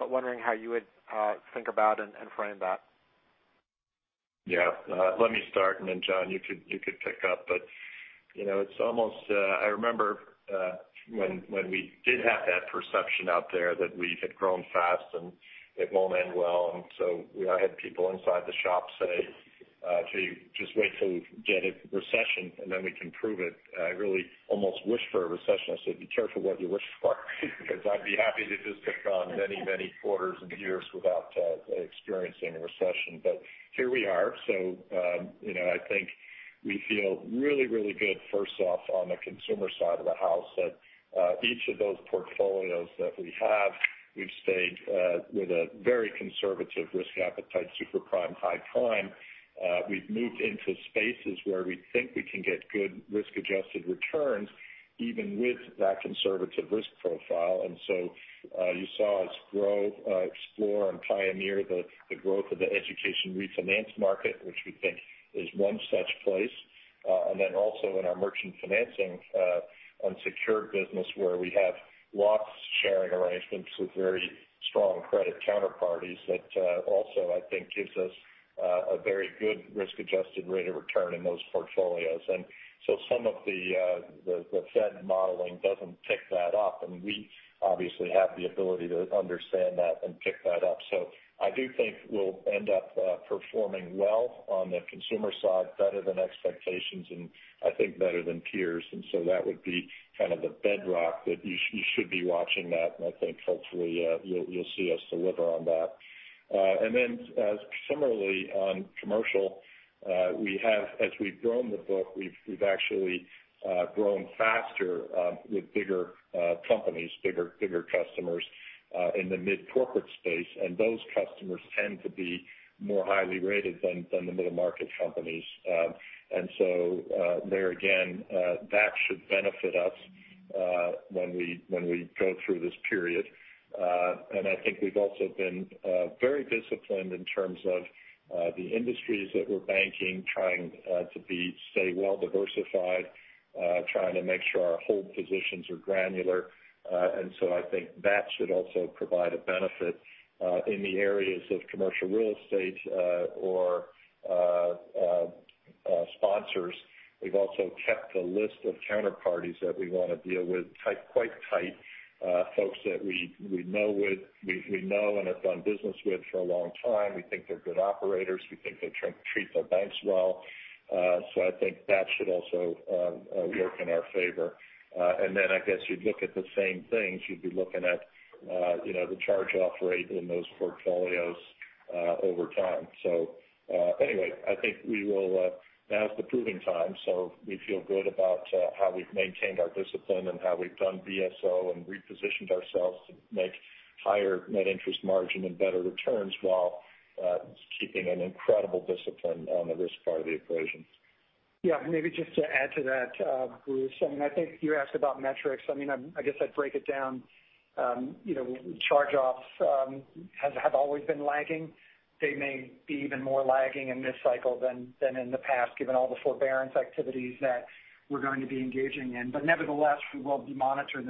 [SPEAKER 10] wondering how you would think about and frame that.
[SPEAKER 3] Yeah. Let me start, and then John, you could pick up. I remember when we did have that perception out there that we had grown fast and it won't end well, and so we had people inside the shop say, "Gee, just wait till we get a recession, and then we can prove it." I really almost wished for a recession. I said, "Be careful what you wish for," because I'd be happy to just tick on many quarters and years without experiencing a recession. Here we are. I think we feel really good first off on the consumer side of the house that each of those portfolios that we have, we've stayed with a very conservative risk appetite, super prime, high prime. We've moved into spaces where we think we can get good risk-adjusted returns even with that conservative risk profile. You saw us grow, explore, and pioneer the growth of the education refinance market, which we think is one such place. Also in our merchant financing unsecured business where we have loss-sharing arrangements with very strong credit counterparties that also, I think, gives us a very good risk-adjusted rate of return in those portfolios. Some of the Fed modeling doesn't pick that up, and we obviously have the ability to understand that and pick that up. I do think we'll end up performing well on the consumer side, better than expectations, and I think better than peers. That would be kind of the bedrock that you should be watching that, and I think hopefully you'll see us deliver on that. Similarly on commercial, as we've grown the book, we've actually grown faster with bigger companies, bigger customers in the mid-corporate space, and those customers tend to be more highly rated than the middle-market companies. There again, that should benefit us when we go through this period. I think we've also been very disciplined in terms of the industries that we're banking, trying to stay well-diversified, trying to make sure our hold positions are granular. I think that should also provide a benefit in the areas of commercial real estate or sponsors. We've also kept a list of counterparties that we want to deal with quite tight, folks that we know and have done business with for a long time. We think they're good operators. We think they treat their banks well. I think that should also work in our favor. Then I guess you'd look at the same things. You'd be looking at the charge-off rate in those portfolios over time. Anyway, I think now's the proving time. We feel good about how we've maintained our discipline and how we've done BSO and repositioned ourselves to make higher net interest margin and better returns while keeping an incredible discipline on the risk part of the equation.
[SPEAKER 4] Yeah, maybe just to add to that, Bruce, I think you asked about metrics. I guess I'd break it down. Charge-offs have always been lagging. They may be even more lagging in this cycle than in the past, given all the forbearance activities that we're going to be engaging in. Nevertheless, we will be monitoring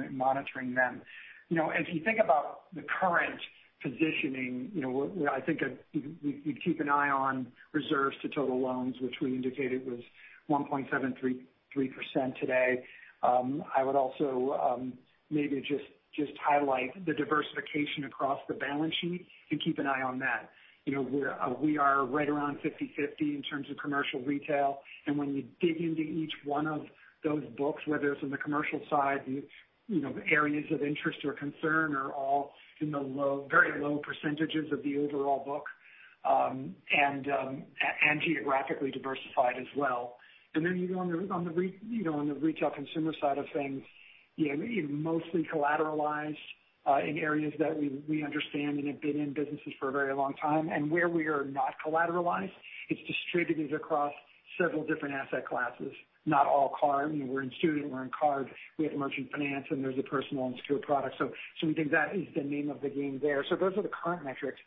[SPEAKER 4] them. If you think about the current positioning, I think we'd keep an eye on reserves to total loans, which we indicated was 1.73% today. I would also maybe just highlight the diversification across the balance sheet and keep an eye on that. We are right around 50/50 in terms of commercial retail, and when you dig into each one of those books, whether it's on the commercial side, the areas of interest or concern are all in the very low percentages of the overall book, and geographically diversified as well. On the retail consumer side of things, mostly collateralized in areas that we understand and have been in businesses for a very long time, and where we are not collateralized, it's distributed across several different asset classes, not all car. We're in student, we're in card, we have merchant finance, and there's a personal unsecured product. We think that is the name of the game there. Those are the current metrics.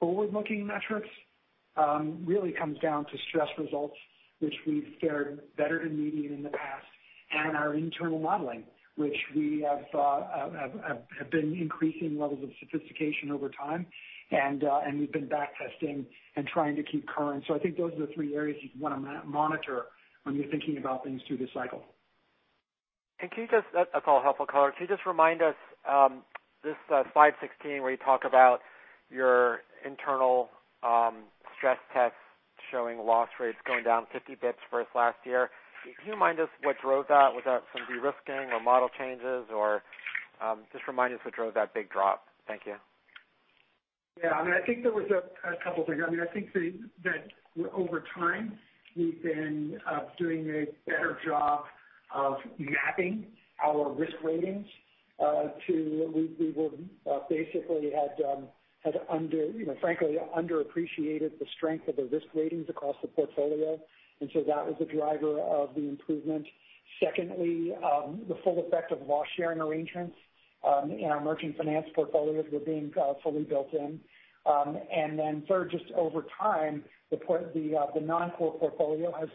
[SPEAKER 4] Forward-looking metrics really comes down to stress results, which we've fared better than median in the past, and our internal modeling, which we have been increasing levels of sophistication over time, and we've been back testing and trying to keep current. I think those are the three areas you'd want to monitor when you're thinking about things through the cycle.
[SPEAKER 10] That's all helpful color. Can you just remind us, this slide 16 where you talk about your internal stress tests showing loss rates going down 50 basis points versus last year? Can you remind us what drove that? Was that some de-risking or model changes? Just remind us what drove that big drop. Thank you.
[SPEAKER 4] I think there was a couple things. I think that over time we've been doing a better job of mapping our risk ratings. We basically had frankly underappreciated the strength of the risk ratings across the portfolio, that was a driver of the improvement. Secondly, the full effect of loss-sharing arrangements in our merchant finance portfolios were being fully built in. Third, just over time, the non-core portfolio has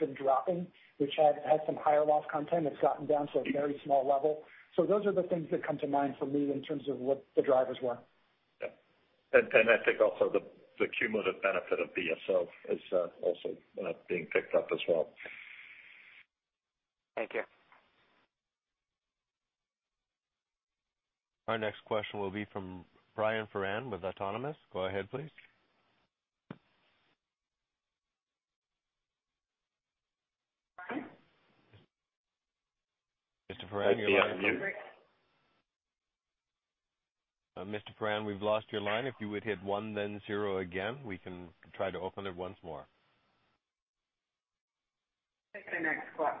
[SPEAKER 4] been dropping, which had some higher loss content. It's gotten down to a very small level. Those are the things that come to mind for me in terms of what the drivers were.
[SPEAKER 3] Yeah. I think also the cumulative benefit of BSO is also being picked up as well.
[SPEAKER 10] Thank you.
[SPEAKER 1] Our next question will be from Brian Foran with Autonomous. Go ahead, please.
[SPEAKER 2] Brian?
[SPEAKER 1] Mr. Foran, you're on mute. Mr. Foran, we've lost your line. If you would hit one then zero again, we can try to open it once more.
[SPEAKER 4] Take the next question.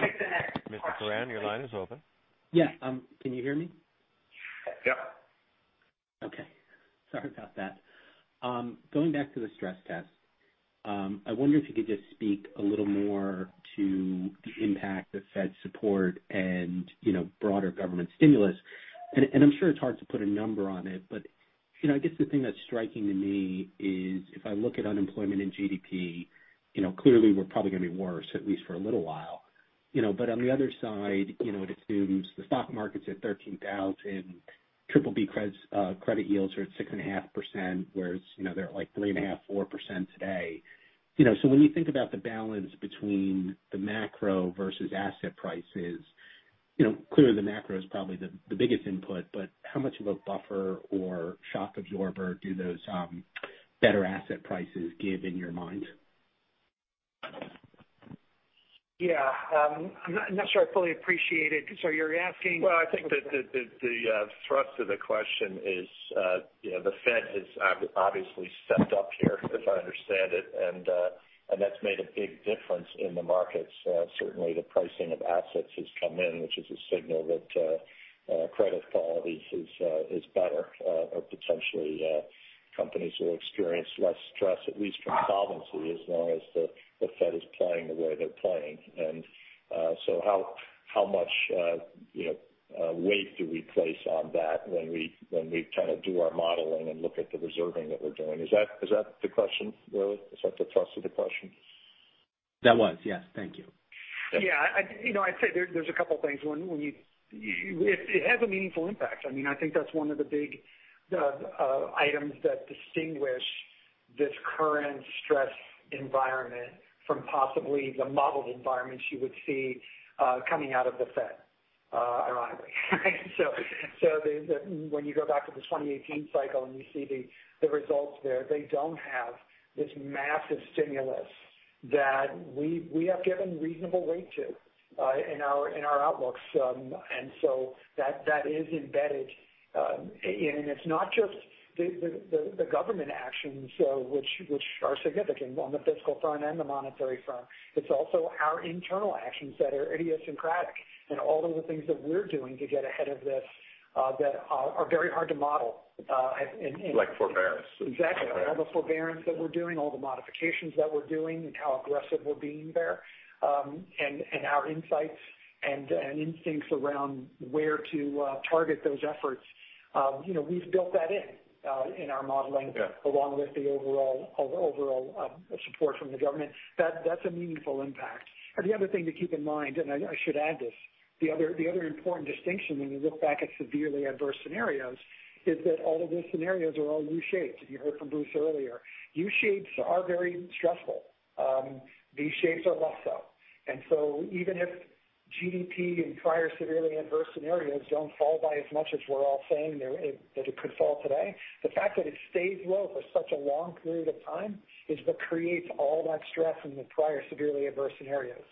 [SPEAKER 4] Take the next question please.
[SPEAKER 1] Mr. Foran, your line is open.
[SPEAKER 11] Yeah. Can you hear me?
[SPEAKER 3] Yep.
[SPEAKER 11] Okay. Sorry about that. Going back to the stress test, I wonder if you could just speak a little more to the impact of Fed support and broader government stimulus. I'm sure it's hard to put a number on it, but I guess the thing that's striking to me is if I look at unemployment and GDP, clearly we're probably going to be worse, at least for a little while. On the other side, it assumes the stock market's at 13,000, BBB credit yields are at 6.5%, whereas they're at 3.5%, 4% today. When you think about the balance between the macro versus asset prices, clearly the macro is probably the biggest input, but how much of a buffer or shock absorber do those better asset prices give in your mind?
[SPEAKER 4] Yeah. I'm not sure I fully appreciate it. You're asking-
[SPEAKER 3] Well, I think that the thrust of the question is the Fed has obviously stepped up here, as I understand it, and that's made a big difference in the markets. Certainly, the pricing of assets has come in, which is a signal that credit quality is better. Potentially companies will experience less stress, at least from solvency, as long as the Fed is playing the way they're playing. How much weight do we place on that when we do our modeling and look at the reserving that we're doing? Is that the question, really? Is that the thrust of the question?
[SPEAKER 11] That was, yes. Thank you.
[SPEAKER 4] Yeah. I'd say there's a couple things. One, it has a meaningful impact. I think that's one of the big items that distinguish this current stress environment from possibly the modeled environments you would see coming out of the Fed, ironically. When you go back to the 2018 cycle and you see the results there, they don't have this massive stimulus that we have given reasonable weight to in our outlooks. That is embedded. It's not just the government actions, which are significant on the fiscal front and the monetary front. It's also our internal actions that are idiosyncratic and all of the things that we're doing to get ahead of this that are very hard to model.
[SPEAKER 3] Like forbearance.
[SPEAKER 4] Exactly. All the forbearance that we're doing, all the modifications that we're doing, and how aggressive we're being there. Our insights and instincts around where to target those efforts, we've built that in our modeling.
[SPEAKER 3] Yeah.
[SPEAKER 4] Along with the overall support from the government. That's a meaningful impact. The other thing to keep in mind, and I should add this, the other important distinction when you look back at severely adverse scenarios is that all of those scenarios are all U-shapes. You heard from Bruce earlier. U-shapes are very stressful. V-shapes are less so. Even if GDP and prior severely adverse scenarios don't fall by as much as we're all saying that it could fall today, the fact that it stays low for such a long period of time is what creates all that stress in the prior severely adverse scenarios.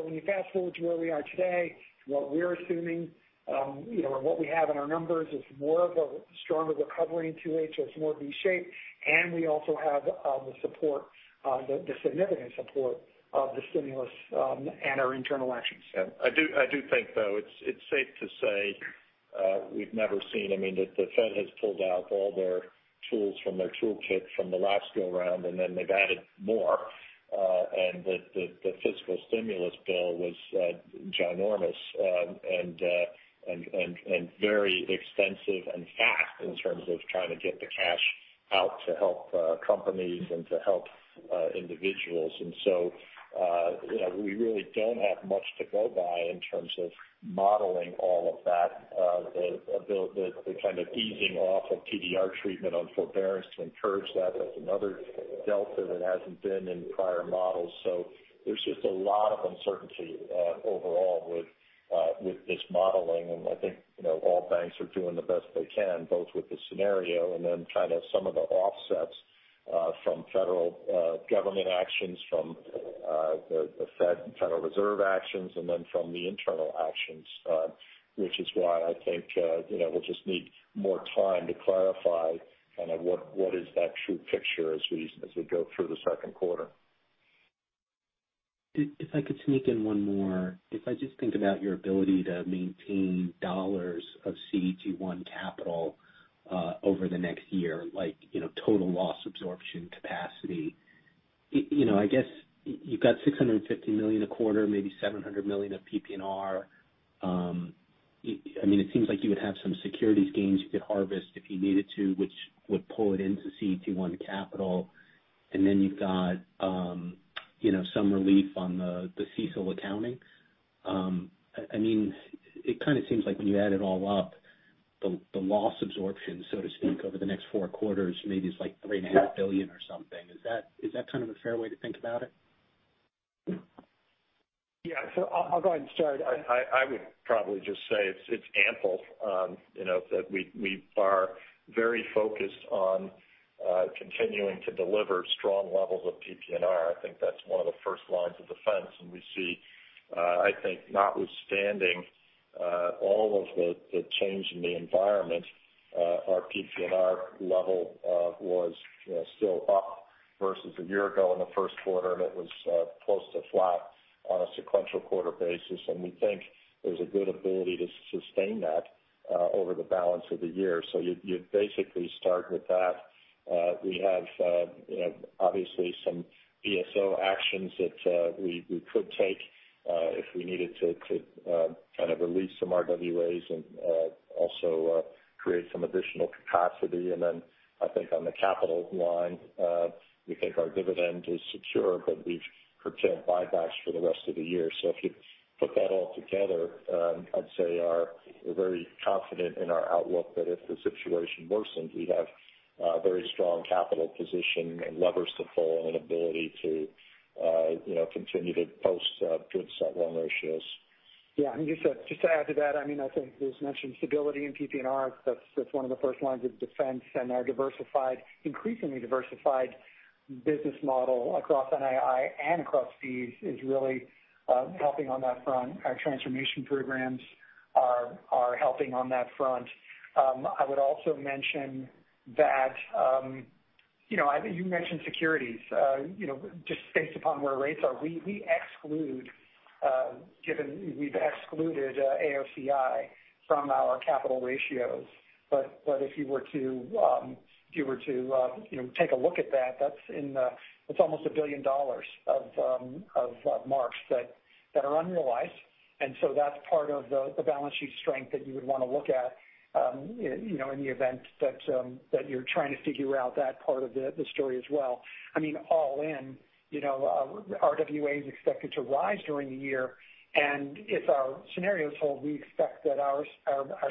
[SPEAKER 4] When you fast-forward to where we are today, what we're assuming and what we have in our numbers is more of a stronger recovery in 2H that's more V-shaped, and we also have the significant support of the stimulus and our internal actions.
[SPEAKER 3] Yeah. I do think, though, it's safe to say we've never seen the Fed has pulled out all their tools from their toolkit from the last go-around, then they've added more. The fiscal stimulus bill was ginormous and very extensive and fast in terms of trying to get the cash out to help companies and to help individuals. We really don't have much to go by in terms of modeling all of that. The kind of easing off of TDR treatment on forbearance to encourage that's another delta that hasn't been in prior models. There's just a lot of uncertainty overall with this modeling, and I think all banks are doing the best they can, both with the scenario and then some of the offsets from federal government actions, from the Fed and Federal Reserve actions, and then from the internal actions. Which is why I think we'll just need more time to clarify what is that true picture as we go through the second quarter.
[SPEAKER 11] I could sneak in one more. I just think about your ability to maintain dollars of CET1 capital over the next year, like total loss absorption capacity. I guess you've got $650 million a quarter, maybe $700 million of PPNR. It seems like you would have some securities gains you could harvest if you needed to, which would pull it into CET1 capital. You've got some relief on the CECL accounting. I mean, it kind of seems like when you add it all up, the loss absorption, so to speak, over the next four quarters maybe is like $3.5 billion or something. Is that kind of a fair way to think about it?
[SPEAKER 4] Yeah. I'll go ahead and start.
[SPEAKER 3] I would probably just say it's ample. We are very focused on continuing to deliver strong levels of PPNR. I think that's one of the first lines of defense. We see, I think notwithstanding all of the change in the environment, our PPNR level was still up versus a year ago in the first quarter, and it was close to flat on a sequential quarter basis. We think there's a good ability to sustain that over the balance of the year. You'd basically start with that. We have obviously some BSO actions that we could take if we needed to kind of release some RWAs and also create some additional capacity. I think on the capital line, we think our dividend is secure, but we've curtailed buybacks for the rest of the year. If you put that all together, I'd say we're very confident in our outlook that if the situation worsens, we have a very strong capital position and levers to pull and an ability to continue to post good CET1 ratios.
[SPEAKER 4] Yeah. Just to add to that, I think as mentioned, stability in PPNR, that's one of the first lines of defense and our increasingly diversified business model across NII and across fees is really helping on that front. Our transformation programs are helping on that front. I would also mention, you mentioned securities. Just based upon where rates are, we've excluded AOCI from our capital ratios. If you were to take a look at that's almost $1 billion of marks that are unrealized. That's part of the balance sheet strength that you would want to look at in the event that you're trying to figure out that part of the story as well. I mean, all in, RWA is expected to rise during the year, and if our scenarios hold, we expect that our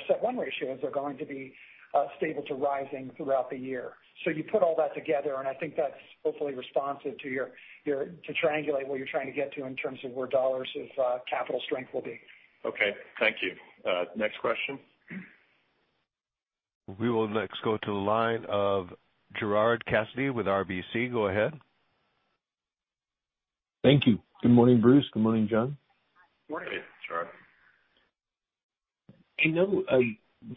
[SPEAKER 4] set loan ratios are going to be stable to rising throughout the year. You put all that together, and I think that's hopefully responsive to triangulate what you're trying to get to in terms of where dollars of capital strength will be.
[SPEAKER 3] Okay. Thank you. Next question.
[SPEAKER 1] We will next go to the line of Gerard Cassidy with RBC. Go ahead.
[SPEAKER 12] Thank you. Good morning, Bruce. Good morning, John.
[SPEAKER 4] Good morning.
[SPEAKER 3] Morning, Gerard.
[SPEAKER 12] I know,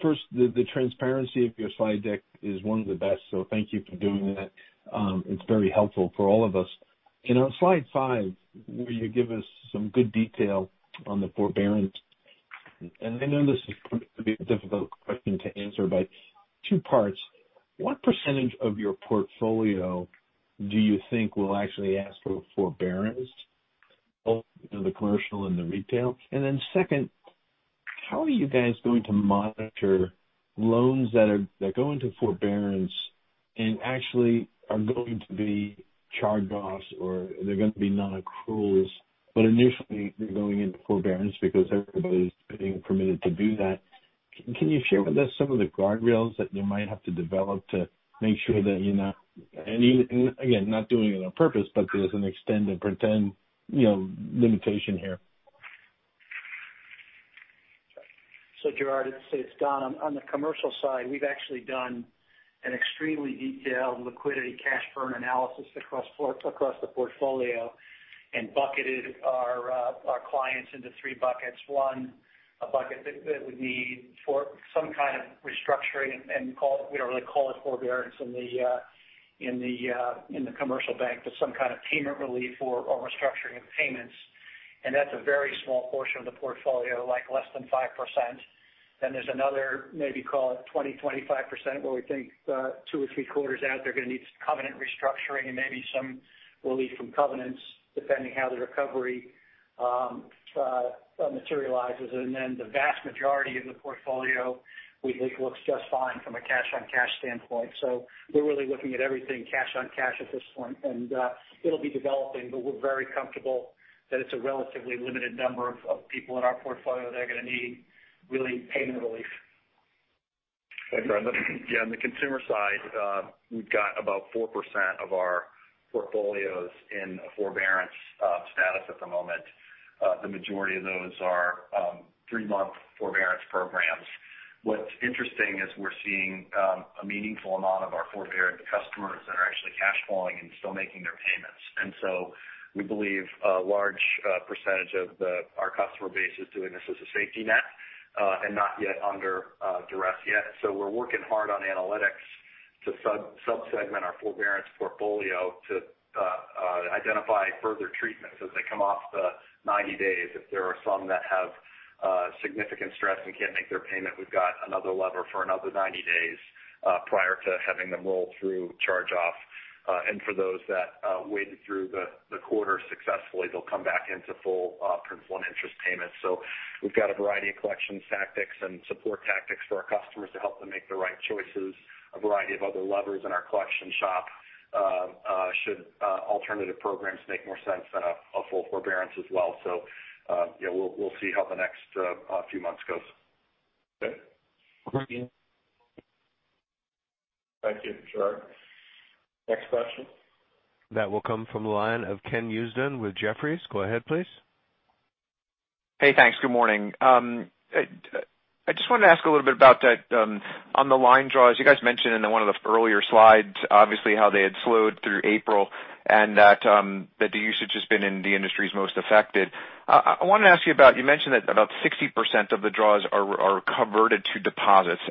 [SPEAKER 12] first, the transparency of your slide deck is one of the best. Thank you for doing that. It's very helpful for all of us. On slide five, where you give us some good detail on the forbearance, I know this is going to be a difficult question to answer, two parts. What percentage of your portfolio do you think will actually ask for forbearance, both in the commercial and the retail? Second, how are you guys going to monitor loans that go into forbearance and actually are going to be charge-offs or they're going to be non-accruals, initially they're going into forbearance because everybody's being permitted to do that. Can you share with us some of the guardrails that you might have to develop to make sure that you're not, and again, not doing it on purpose, but there's an extend and pretend limitation here.
[SPEAKER 9] Gerard, it's Don. On the commercial side, we've actually done an extremely detailed liquidity cash burn analysis across the portfolio and bucketed our clients into three buckets. One, a bucket that would need some kind of restructuring and we don't really call it forbearance in the commercial bank, but some kind of payment relief or restructuring of payments. That's a very small portion of the portfolio, like less than 5%. There's another, maybe call it 20%-25%, where we think two or three quarters out, they're going to need some covenant restructuring and maybe some relief from covenants depending how the recovery materializes. The vast majority of the portfolio we think looks just fine from a cash-on-cash standpoint. We're really looking at everything cash on cash at this point. It'll be developing, but we're very comfortable that it's a relatively limited number of people in our portfolio that are going to need really payment relief.
[SPEAKER 3] Brendan?
[SPEAKER 8] Yeah, on the consumer side, we've got about 4% of our portfolios in forbearance status at the moment. The majority of those are three-month forbearance programs. What's interesting is we're seeing a meaningful amount of our forbearance customers that are actually cash flowing and still making their payments. We believe a large percentage of our customer base is doing this as a safety net, and not yet under duress yet. We're working hard on analytics to sub-segment our forbearance portfolio to identify further treatments as they come off the 90 days. If there are some that have significant stress and can't make their payment, we've got another lever for another 90 days prior to having them roll through charge-off. For those that wade through the quarter successfully, they'll come back into full principal and interest payments. We've got a variety of collection tactics and support tactics for our customers to help them make the right choices, a variety of other levers in our collection shop should alternative programs make more sense than a full forbearance as well. Yeah, we'll see how the next few months goes.
[SPEAKER 3] Okay. Thank you, Gerard. Next question.
[SPEAKER 1] That will come from the line of Ken Usdin with Jefferies. Go ahead, please.
[SPEAKER 13] Hey, thanks. Good morning. I just wanted to ask a little bit about that on the line draws. You guys mentioned in one of the earlier slides, obviously, how they had slowed through April, and that the usage has been in the industries most affected. I wanted to ask you. You mentioned that about 60% of the draws are converted to deposits,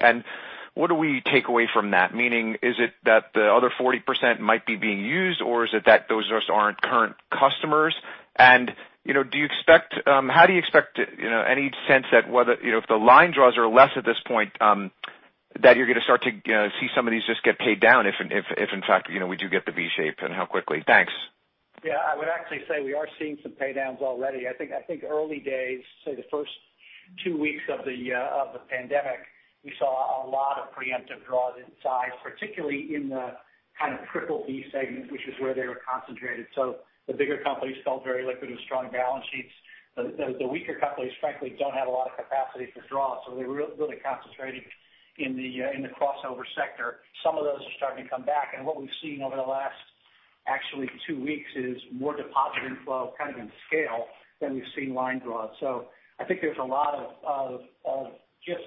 [SPEAKER 13] what do we take away from that? Meaning, is it that the other 40% might be being used, or is it that those just aren't current customers? How do you expect any sense that whether if the line draws are less at this point, that you're going to start to see some of these just get paid down if in fact, we do get the V-shaped, and how quickly? Thanks.
[SPEAKER 9] I would actually say we are seeing some pay downs already. I think early days, say, the first two weeks of the pandemic, we saw a lot of preemptive draws in size, particularly in the kind of triple B segment, which is where they were concentrated. The bigger companies felt very liquid with strong balance sheets. The weaker companies, frankly, don't have a lot of capacity for draws, they're really concentrating in the crossover sector. Some of those are starting to come back, what we've seen over the last actually two weeks is more deposit inflow kind of in scale than we've seen line draws. I think there's a lot of just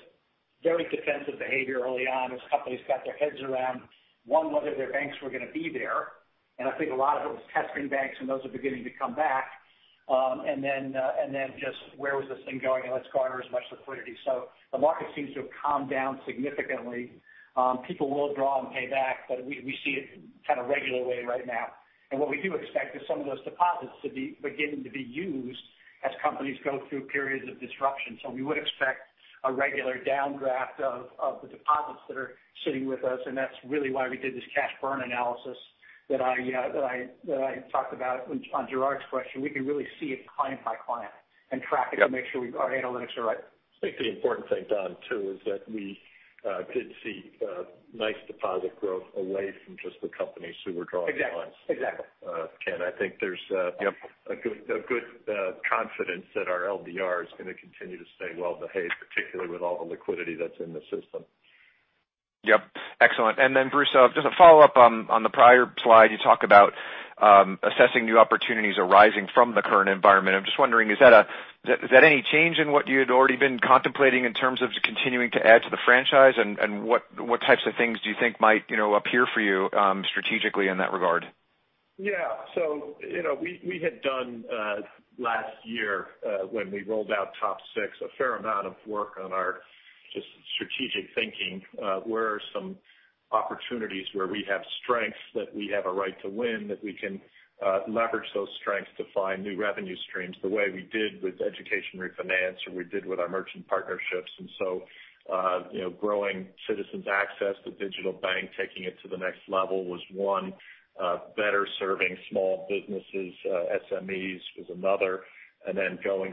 [SPEAKER 9] very defensive behavior early on as companies got their heads around one whether their banks were going to be there, and I think a lot of it was testing banks and those are beginning to come back. Just where was this thing going and let's garner as much liquidity. The market seems to have calmed down significantly. People will draw and pay back, but we see it kind of regular way right now. What we do expect is some of those deposits to be beginning to be used as companies go through periods of disruption. We would expect a regular downdraft of the deposits that are sitting with us, and that's really why we did this cash burn analysis that I talked about on Gerard's question. We can really see it client by client and track it to make sure our analytics are right.
[SPEAKER 3] I think the important thing, Don, too, is that we did see nice deposit growth away from just the companies who were drawing lines.
[SPEAKER 9] Exactly.
[SPEAKER 3] Ken, I think.
[SPEAKER 13] Yep.
[SPEAKER 3] -a good confidence that our LDR is going to continue to stay well behaved, particularly with all the liquidity that's in the system.
[SPEAKER 13] Yep. Excellent. Bruce, just a follow-up on the prior slide, you talk about assessing new opportunities arising from the current environment. I'm just wondering, is that any change in what you had already been contemplating in terms of continuing to add to the franchise? What types of things do you think might appear for you strategically in that regard?
[SPEAKER 3] Yeah. We had done last year, when we rolled out TOP 6, a fair amount of work on our just strategic thinking. Where are some opportunities where we have strengths that we have a right to win, that we can leverage those strengths to find new revenue streams the way we did with education refinance or we did with our merchant partnerships. Growing Citizens Access to digital bank, taking it to the next level was one. Better serving small businesses, SMEs was another.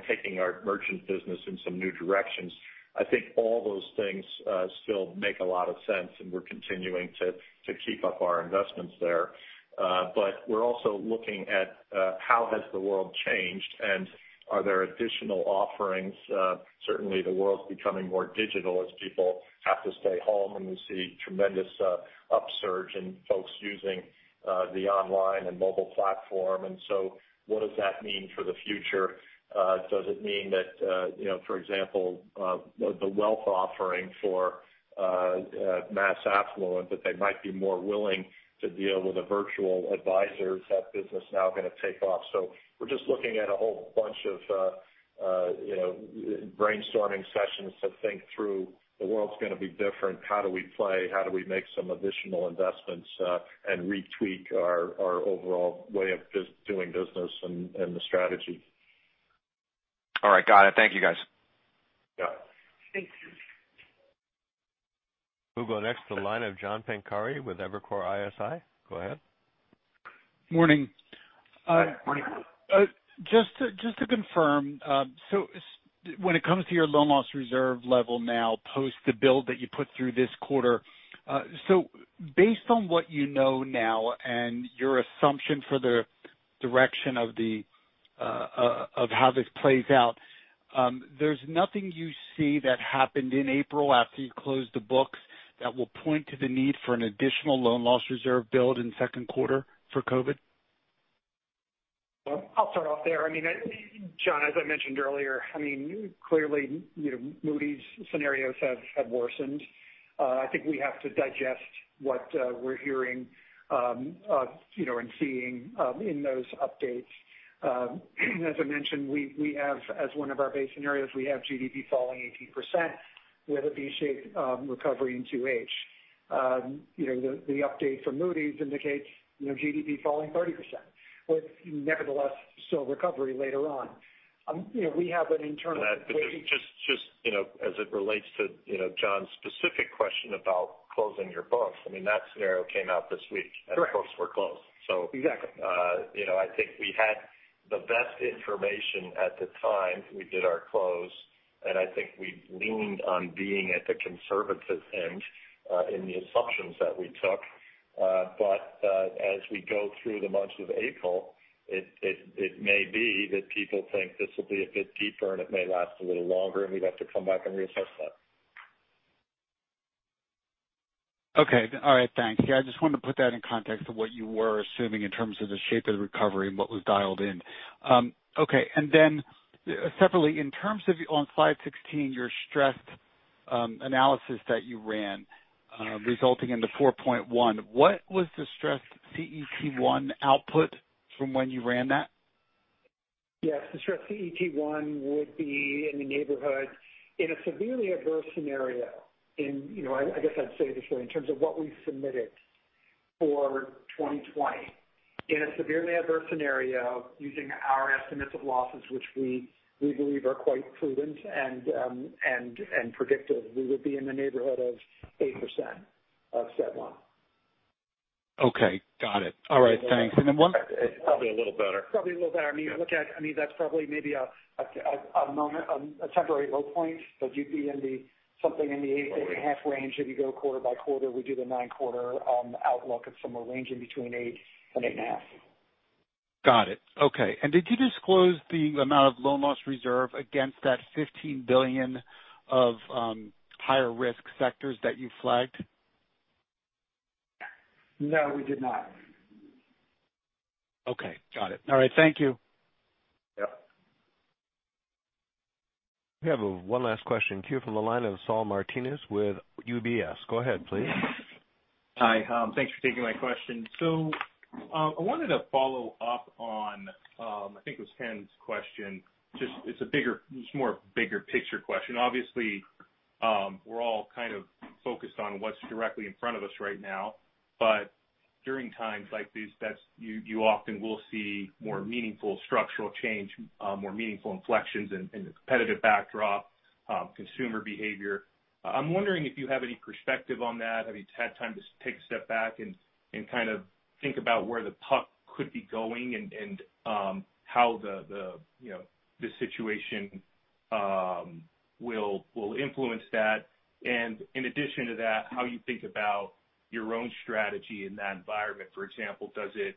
[SPEAKER 3] Taking our merchant business in some new directions. I think all those things still make a lot of sense, and we're continuing to keep up our investments there. We're also looking at how has the world changed, and are there additional offerings? Certainly, the world's becoming more digital as people have to stay home, and we see tremendous upsurge in folks using the online and mobile platform. What does that mean for the future? Does it mean that for example, the wealth offering for mass affluent, that they might be more willing to deal with a virtual advisor? Is that business now going to take off? We're just looking at a whole bunch of brainstorming sessions to think through the world's going to be different, how do we play, how do we make some additional investments, and retweak our overall way of just doing business and the strategy.
[SPEAKER 13] All right. Got it. Thank you, guys.
[SPEAKER 3] Yeah.
[SPEAKER 9] Thanks.
[SPEAKER 1] We'll go next to the line of John Pancari with Evercore ISI. Go ahead.
[SPEAKER 14] Morning.
[SPEAKER 3] Morning.
[SPEAKER 14] Just to confirm, when it comes to your loan loss reserve level now post the build that you put through this quarter, based on what you know now and your assumption for the direction of how this plays out, there's nothing you see that happened in April after you closed the books that will point to the need for an additional loan loss reserve build in second quarter for COVID?
[SPEAKER 4] I'll start off there. John, as I mentioned earlier, clearly, Moody's scenarios have worsened. I think we have to digest what we're hearing and seeing in those updates. As I mentioned, as one of our base scenarios, we have GDP falling 18% with a V-shaped recovery in 2H. The update from Moody's indicates GDP falling 30% with nevertheless still recovery later on.
[SPEAKER 3] Just as it relates to John's specific question about closing your books. That scenario came out this week.
[SPEAKER 4] Correct.
[SPEAKER 3] The books were closed.
[SPEAKER 4] Exactly.
[SPEAKER 3] I think we had the best information at the time we did our close, and I think we leaned on being at the conservative end in the assumptions that we took. As we go through the month of April, it may be that people think this will be a bit deeper and it may last a little longer, and we'd have to come back and reassess that.
[SPEAKER 14] Okay. All right. Thanks. Yeah, I just wanted to put that in context of what you were assuming in terms of the shape of the recovery and what was dialed in. Okay. Then separately, in terms of on slide 16, your stressed analysis that you ran resulting in the 4.1%, what was the stressed CET1 output from when you ran that?
[SPEAKER 4] Yes. The stressed CET1 would be in the neighborhood in a severely adverse scenario in, I guess I'd say it this way, in terms of what we've submitted for 2020. In a severely adverse scenario, using our estimates of losses, which we believe are quite prudent and predictive, we would be in the neighborhood of 8% of CET1.
[SPEAKER 14] Okay. Got it. All right. Thanks.
[SPEAKER 3] It's probably a little better.
[SPEAKER 4] Probably a little better. I mean, that's probably maybe a temporary low point, but you'd be in the something in the 8.5% range if you go quarter by quarter. We do the nine-quarter outlook of somewhere ranging between 8% and 8.5%.
[SPEAKER 14] Got it. Okay. Did you disclose the amount of loan loss reserve against that $15 billion of higher risk sectors that you flagged?
[SPEAKER 4] No, we did not.
[SPEAKER 14] Okay. Got it. All right. Thank you.
[SPEAKER 4] Yep.
[SPEAKER 1] We have one last question queue from the line of Saul Martinez with UBS. Go ahead, please.
[SPEAKER 15] Hi. Thanks for taking my question. I wanted to follow up on, I think it was Ken's question, just it's a more bigger picture question. Obviously, we're all kind of focused on what's directly in front of us right now. During times like these, you often will see more meaningful structural change, more meaningful inflections in the competitive backdrop, consumer behavior. I'm wondering if you have any perspective on that. Have you had time to take a step back and kind of think about where the puck could be going and how the situation will influence that? In addition to that, how you think about your own strategy in that environment. For example, does it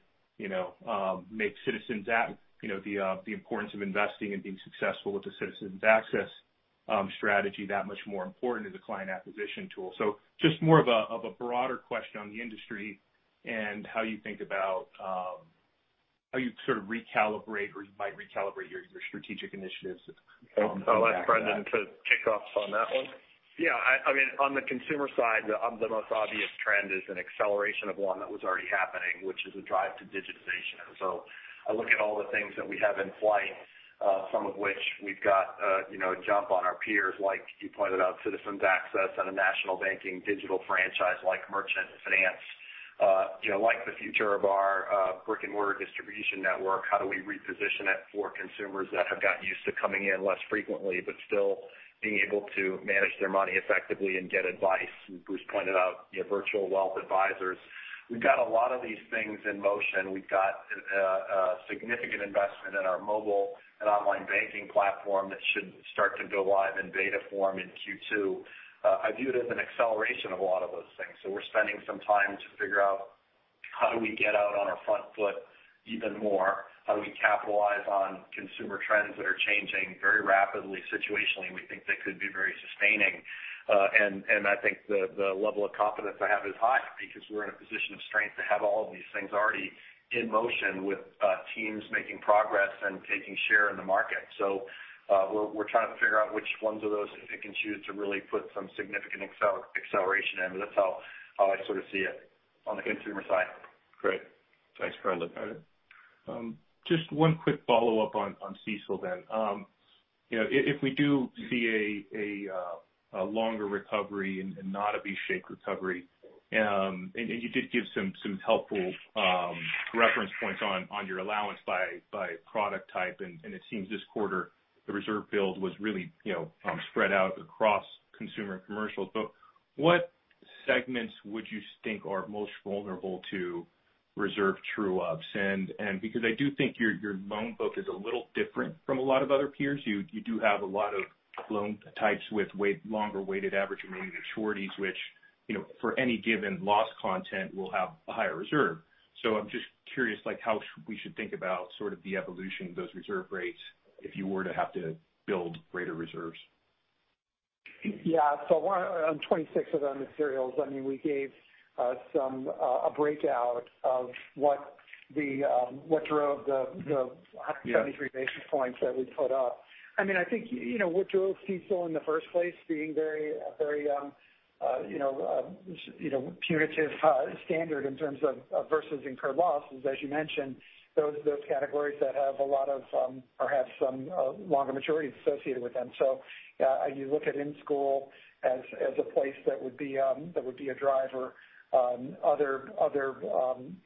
[SPEAKER 15] make Citizens Access, the importance of investing and being successful with the Citizens Access strategy that much more important as a client acquisition tool? Just more of a broader question on the industry and how you think about how you sort of recalibrate or you might recalibrate your strategic initiatives going back.
[SPEAKER 3] I'll ask Brendan to kick off on that one.
[SPEAKER 8] Yeah. On the consumer side, the most obvious trend is an acceleration of one that was already happening, which is a drive to digitization. I look at all the things that we have in flight, some of which we've got a jump on our peers, like you pointed out, Citizens Access and a national banking digital franchise like merchant finance. Like the future of our brick-and-mortar distribution network, how do we reposition it for consumers that have gotten used to coming in less frequently but still being able to manage their money effectively and get advice? Bruce pointed out virtual wealth advisors. We've got a lot of these things in motion. We've got a significant investment in our mobile and online banking platform that should start to go live in beta form in Q2. I view it as an acceleration of a lot of those things. We're spending some time to figure out how do we get out on our front foot even more? How do we capitalize on consumer trends that are changing very rapidly situationally, and we think they could be very sustaining? I think the level of confidence I have is high because we're in a position of strength to have all of these things already in motion with teams making progress and taking share in the market. We're trying to figure out which ones of those if we can choose to really put some significant acceleration in. That's how I sort of see it on the consumer side.
[SPEAKER 3] Great. Thanks, Brendan.
[SPEAKER 15] Got it. Just one quick follow-up on CECL. If we do see a longer recovery and not a V-shaped recovery, you did give some helpful reference points on your allowance by product type, and it seems this quarter the reserve build was really spread out across consumer, commercial. What segments would you think are most vulnerable to reserve true-ups? I do think your loan book is a little different from a lot of other peers. You do have a lot of loan types with longer weighted average remaining maturities, which for any given loss content will have a higher reserve. I'm just curious how we should think about sort of the evolution of those reserve rates if you were to have to build greater reserves.
[SPEAKER 4] Yeah. On 26 of the materials, we gave a breakout of what drove.
[SPEAKER 15] Yeah.
[SPEAKER 4] 173 basis points that we put up. I think what drove CECL in the first place being a very punitive standard in terms of versus incurred losses. As you mentioned, those categories that have a lot of perhaps some longer maturities associated with them. You look at in-school as a place that would be a driver. Other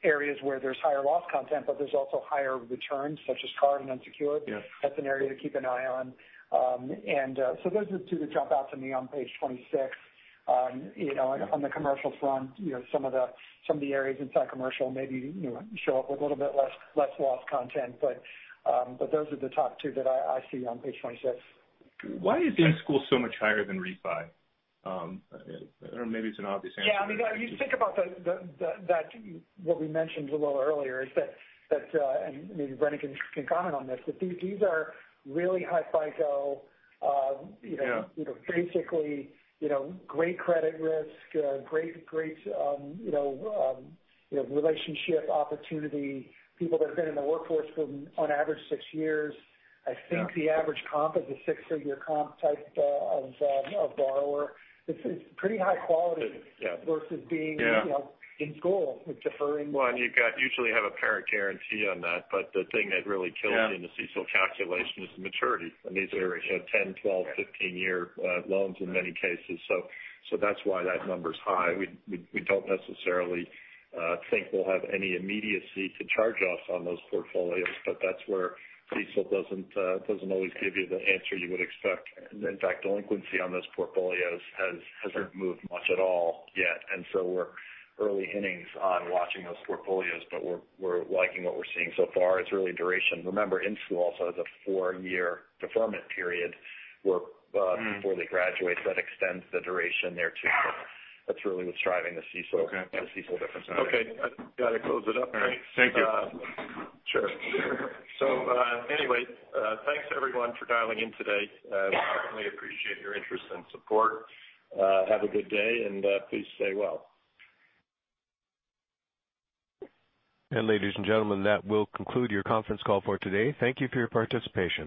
[SPEAKER 4] areas where there's higher loss content, but there's also higher returns, such as card and unsecured.
[SPEAKER 15] Yeah.
[SPEAKER 4] That's an area to keep an eye on. Those are the two that jump out to me on page 26. On the commercial front, some of the areas inside commercial maybe show up with a little bit less loss content. Those are the top two that I see on page 26.
[SPEAKER 15] Why is in-school so much higher than refi? Maybe it's an obvious answer.
[SPEAKER 4] Yeah. If you think about what we mentioned a little earlier is that, and maybe Brendan can comment on this, but these are really high FICO-
[SPEAKER 15] Yeah.
[SPEAKER 4] basically great credit risk, great relationship opportunity. People that have been in the workforce for on average six years. I think the average comp is a six-figure comp type of borrower. It's pretty high quality.
[SPEAKER 15] Yeah.
[SPEAKER 4] versus being in school, deferring.
[SPEAKER 3] Well, you've got usually have a parent guarantee on that. But the thing that really kills you in the CECL calculation is the maturity. These are 10, 12, 15-year loans in many cases. That's why that number's high. We don't necessarily think we'll have any immediacy to charge offs on those portfolios, but that's where CECL doesn't always give you the answer you would expect. In fact, delinquency on those portfolios hasn't moved much at all yet. We're early innings on watching those portfolios, but we're liking what we're seeing so far. It's really duration. Remember, in-school also has a four-year deferment period before they graduate. That extends the duration there too. That's really what's driving the CECL difference.
[SPEAKER 15] Okay.
[SPEAKER 3] Got to close it up, right?
[SPEAKER 15] All right. Thank you.
[SPEAKER 3] Sure. Anyway, thanks everyone for dialing in today. We certainly appreciate your interest and support. Have a good day, and please stay well.
[SPEAKER 1] Ladies and gentlemen, that will conclude your conference call for today. Thank you for your participation.